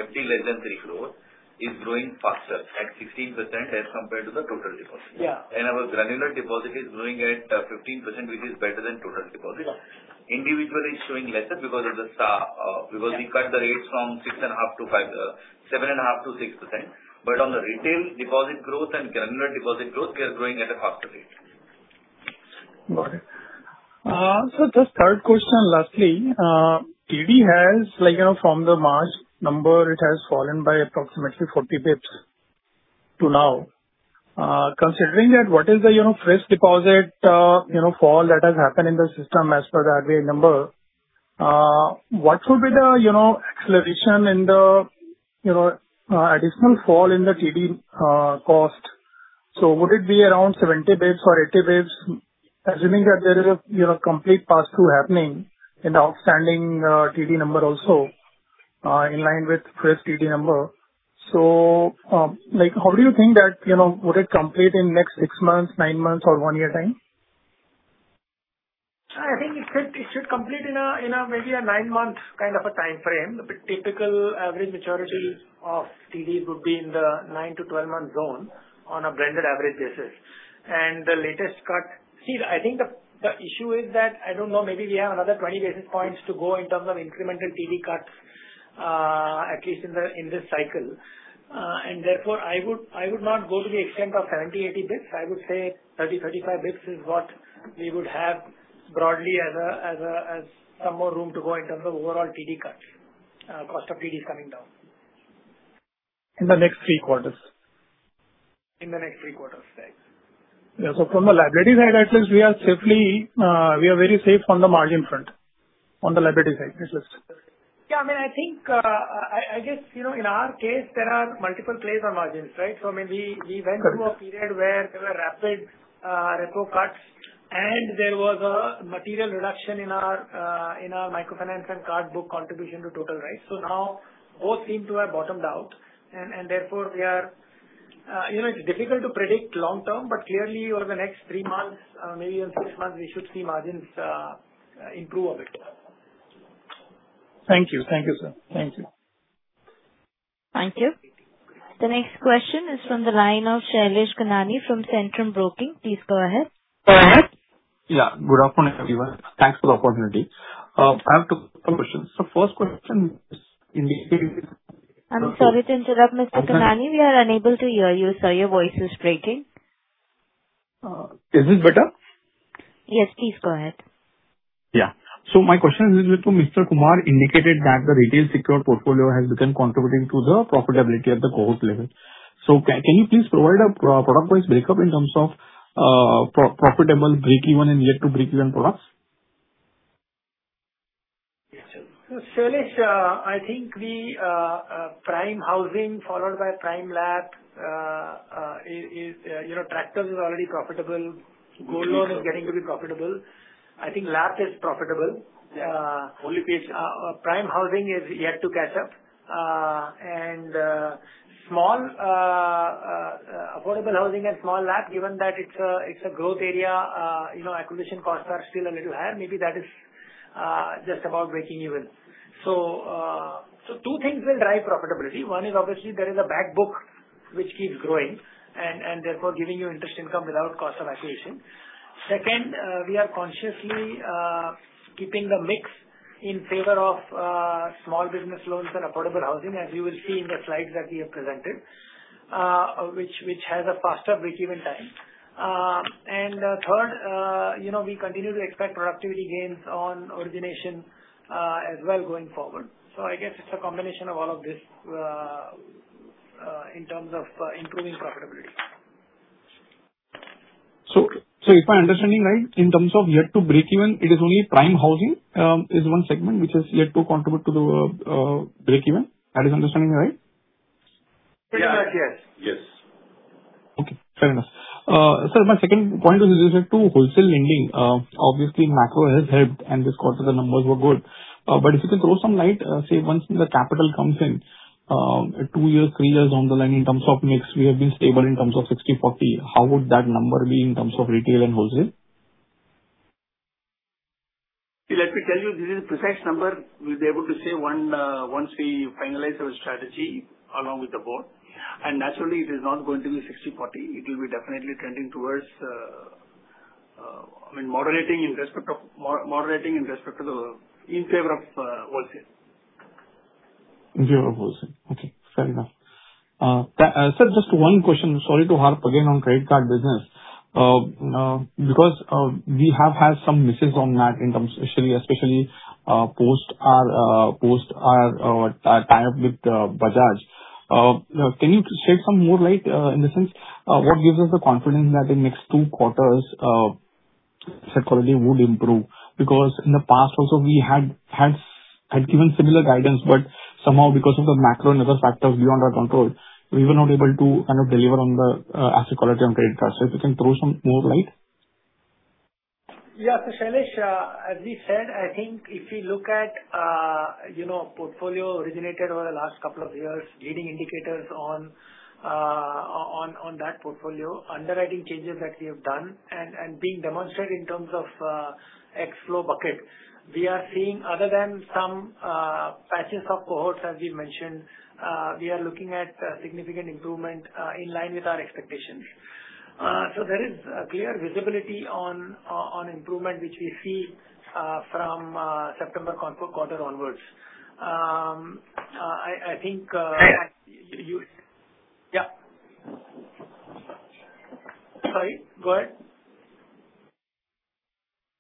FD, and retail growth is growing faster at 16% as compared to the total deposit. Yeah. Our granular deposit is growing at 15%, which is better than total deposit. Yeah. Individual is showing lesser because of the star. Yeah... we cut the rates from 6.5%-5%, seven and a half to 6%. But on the retail deposit growth and granular deposit growth, we are growing at a faster rate. Got it. So just third question, lastly, TD has, like, you know, from the March number, it has fallen by approximately 40 basis points to now, considering that what is the, you know, fresh deposit, you know, fall that has happened in the system as per the aggregate number, what will be the, you know, acceleration in the, you know, additional fall in the TD cost? So would it be around 70 basis points or 80 basis points, assuming that there is a, you know, complete pass-through happening in the outstanding, TD number also, in line with fresh TD number? So, like, how do you think that, you know, would it complete in next six months, nine months or one year time? I think it should complete in a maybe a nine-month kind of a timeframe. The typical average maturity of CDs would be in the nine- to 12-month zone on a blended average basis. And the latest cut. See, I think the issue is that I don't know, maybe we have another 20 basis points to go in terms of incremental TD cuts, at least in this cycle. And therefore, I would not go to the extent of 70-80 basis points. I would say 30-35 basis points is what we would have broadly as some more room to go in terms of overall TD cuts, cost of TD coming down. In the next three quarters? In the next three quarters, right. Yeah. So from the liability side, that means we are safely, we are very safe on the margin front, on the liability side, is this it? Yeah, I mean, I think, I guess, you know, in our case, there are multiple plays on margins, right? So, I mean, we- Correct. We went through a period where there were rapid repo cuts, and there was a material reduction in our microfinance and card book contribution to total, right? So now, both seem to have bottomed out, and therefore, we are. You know, it's difficult to predict long term, but clearly over the next three months, maybe in six months, we should see margins improve a bit. Thank you. Thank you, sir. Thank you. Thank you. The next question is from the line of Shailesh Kanani from Centrum Broking. Please go ahead. Go ahead. Yeah. Good afternoon, everyone. Thanks for the opportunity. I have two questions. The first question is indicating- I'm sorry to interrupt, Mr. Kanani. We are unable to hear you, sir. Your voice is breaking. Is this better? Yes, please go ahead. Yeah. So my question is what Mr. Kumar indicated that the retail secured portfolio has become contributing to the profitability at the cohort level. So can you please provide a product-wise break-up in terms of profitable, breakeven and yet to breakeven products? Yes, sir. So Shailesh, I think we prime housing followed by prime LAP is, you know, tractors is already profitable. Okay. Gold loan is getting to be profitable. I think LAP is profitable. Yeah. Only prime housing is yet to catch up. Affordable housing and small LAP, given that it's a growth area, you know, acquisition costs are still a little higher. Maybe that is just about breakeven. So, two things will drive profitability. One is obviously there is a back book which keeps growing and therefore giving you interest income without cost of acquisition. Second, we are consciously keeping the mix in favor of small business loans and affordable housing, as you will see in the slides that we have presented, which has a faster breakeven time. Third, you know, we continue to expect productivity gains on origination, as well going forward. So I guess it's a combination of all of this, in terms of improving profitability. So if I'm understanding right, in terms of yet to breakeven, it is only prime housing is one segment which is yet to contribute to the breakeven. That is understanding, right? Yeah. Yes. Yes. Okay, fair enough. Sir, my second point is related to wholesale lending. Obviously, macro has helped and this quarter the numbers were good. But if you can throw some light, say, once the capital comes in, two years, three years down the line in terms of mix, we have been stable in terms of sixty/forty. How would that number be in terms of retail and wholesale? Let me tell you, this is precise number, we'll be able to say one once we finalize our strategy along with the board, and naturally, it is not going to be sixty/forty, it will be definitely trending towards, I mean, moderating in respect of the, in favor of wholesale. In favor of wholesale. Okay, fair enough. Sir, just one question. Sorry to harp again on credit card business. Because we have had some misses on that in terms, especially post our tie-up with Bajaj. Can you shed some more light in the sense what gives us the confidence that in next two quarters asset quality would improve? Because in the past also we had given similar guidance, but somehow because of the macro and other factors beyond our control, we were not able to kind of deliver on the asset quality on credit card. So if you can throw some more light. Yeah. So, Shailesh, as we said, I think if you look at, you know, portfolio originated over the last couple of years, leading indicators on, on that portfolio, underwriting changes that we have done and, and being demonstrated in terms of, X-flow bucket. We are seeing other than some, patches of cohorts, as we mentioned, we are looking at a significant improvement, in line with our expectations. So there is a clear visibility on, on improvement, which we see, from, September quarter, quarter onwards. I think, Yeah. Yeah. Sorry, go ahead....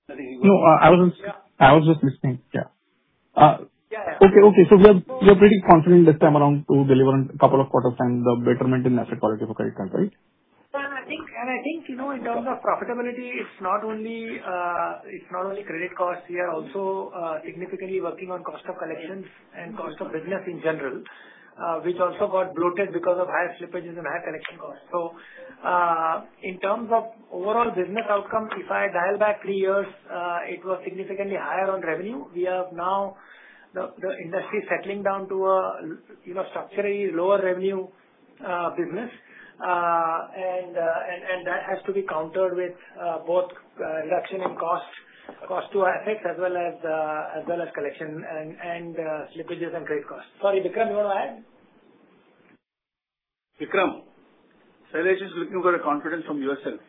No, I was just listening. Yeah. Okay. So we are pretty confident this time around to deliver on a couple of quarters and the betterment in asset quality for credit card, right? Yeah, and I think, you know, in terms of profitability, it's not only credit costs, we are also significantly working on cost of collections and cost of business in general, which also got bloated because of higher slippages and higher collection costs. So, in terms of overall business outcomes, if I dial back three years, it was significantly higher on revenue. We are now the industry settling down to a, you know, structurally lower revenue business. And that has to be countered with both reduction in costs, cost to assets, as well as collection and slippages and credit costs. Sorry, Bikram, you want to add? Bikram, Shailesh is looking for a confidence from yourself.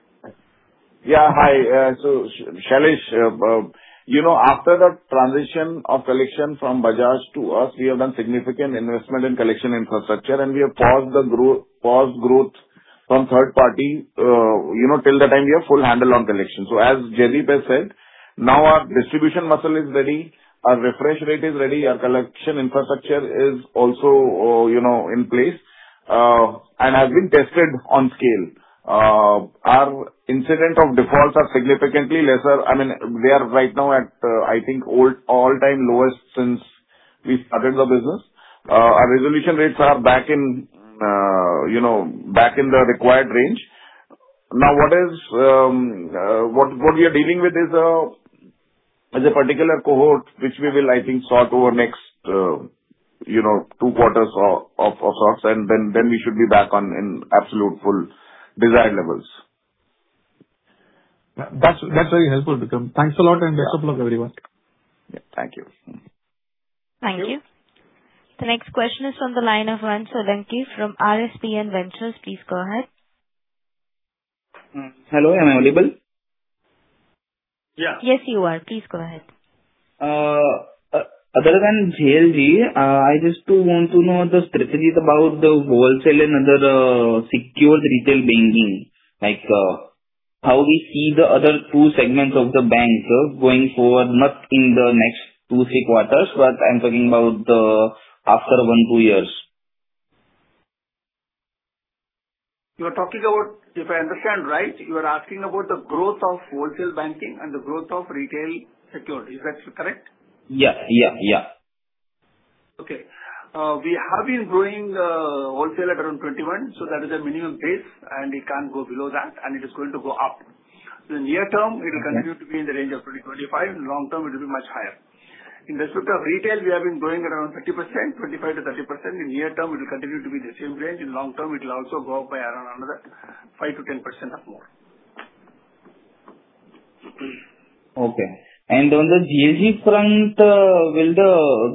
Yeah, hi. So Shailesh, you know, after the transition of collection from Bajaj to us, we have done significant investment in collection infrastructure, and we have paused growth from third party, you know, till the time we have full handle on collection, so as Jaideep has said, now our distribution muscle is ready, our refresh rate is ready, our collection infrastructure is also, you know, in place, and has been tested on scale. Our incidence of defaults are significantly lesser. I mean, we are right now at, I think, all-time lowest since we started the business. Our resolution rates are back in, you know, back in the required range. Now, what we are dealing with is a particular cohort, which we will, I think, sort over next, you know, two quarters or so, and then we should be back on in absolute full desired levels. That's very helpful, Bikram. Thanks a lot, and best of luck, everyone. Yeah, thank you. Thank you. The next question is on the line of Anchal from RSPN Ventures. Please go ahead. Hello, am I audible? Yeah. Yes, you are. Please go ahead. Other than JLG, I just do want to know the strategies about the wholesale and other secured retail banking. Like, how we see the other two segments of the bank going forward, not in the next two, six quarters, but I'm talking about after one, two years. You are talking about... If I understand right, you are asking about the growth of wholesale banking and the growth of retail secured. Is that correct? Yeah, yeah, yeah. Okay. We have been growing wholesale at around 21, so that is a minimum base, and it can't go below that, and it is going to go up. The near term, it will continue to be in the range of 20-25. In long term, it will be much higher. In respect of retail, we have been growing around 30%, 25%-30%. In near term, it will continue to be the same range. In long term, it will also go up by around another 5%-10% or more. Okay. And on the JLG front, will the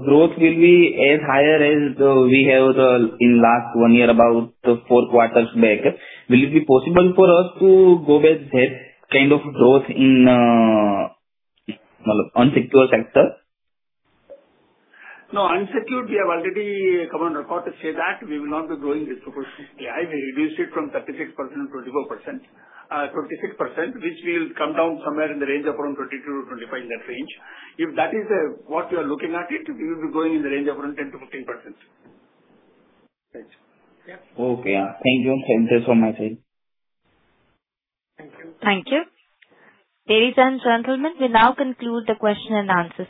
growth be as high as we have in last one year, about four quarters back? Will it be possible for us to go back to that kind of growth in unsecured sector? No, unsecured, we have already come on record to say that we will not be growing disproportionately. I reduced it from 36%-24%, 26%, which will come down somewhere in the range of around 22%-25%, in that range. If that is what you are looking at it, we will be growing in the range of around 10%-15%. Thanks. Yeah. Okay, thank you. Thanks for my time. Thank you. Thank you. Ladies and gentlemen, we now conclude the question and answer.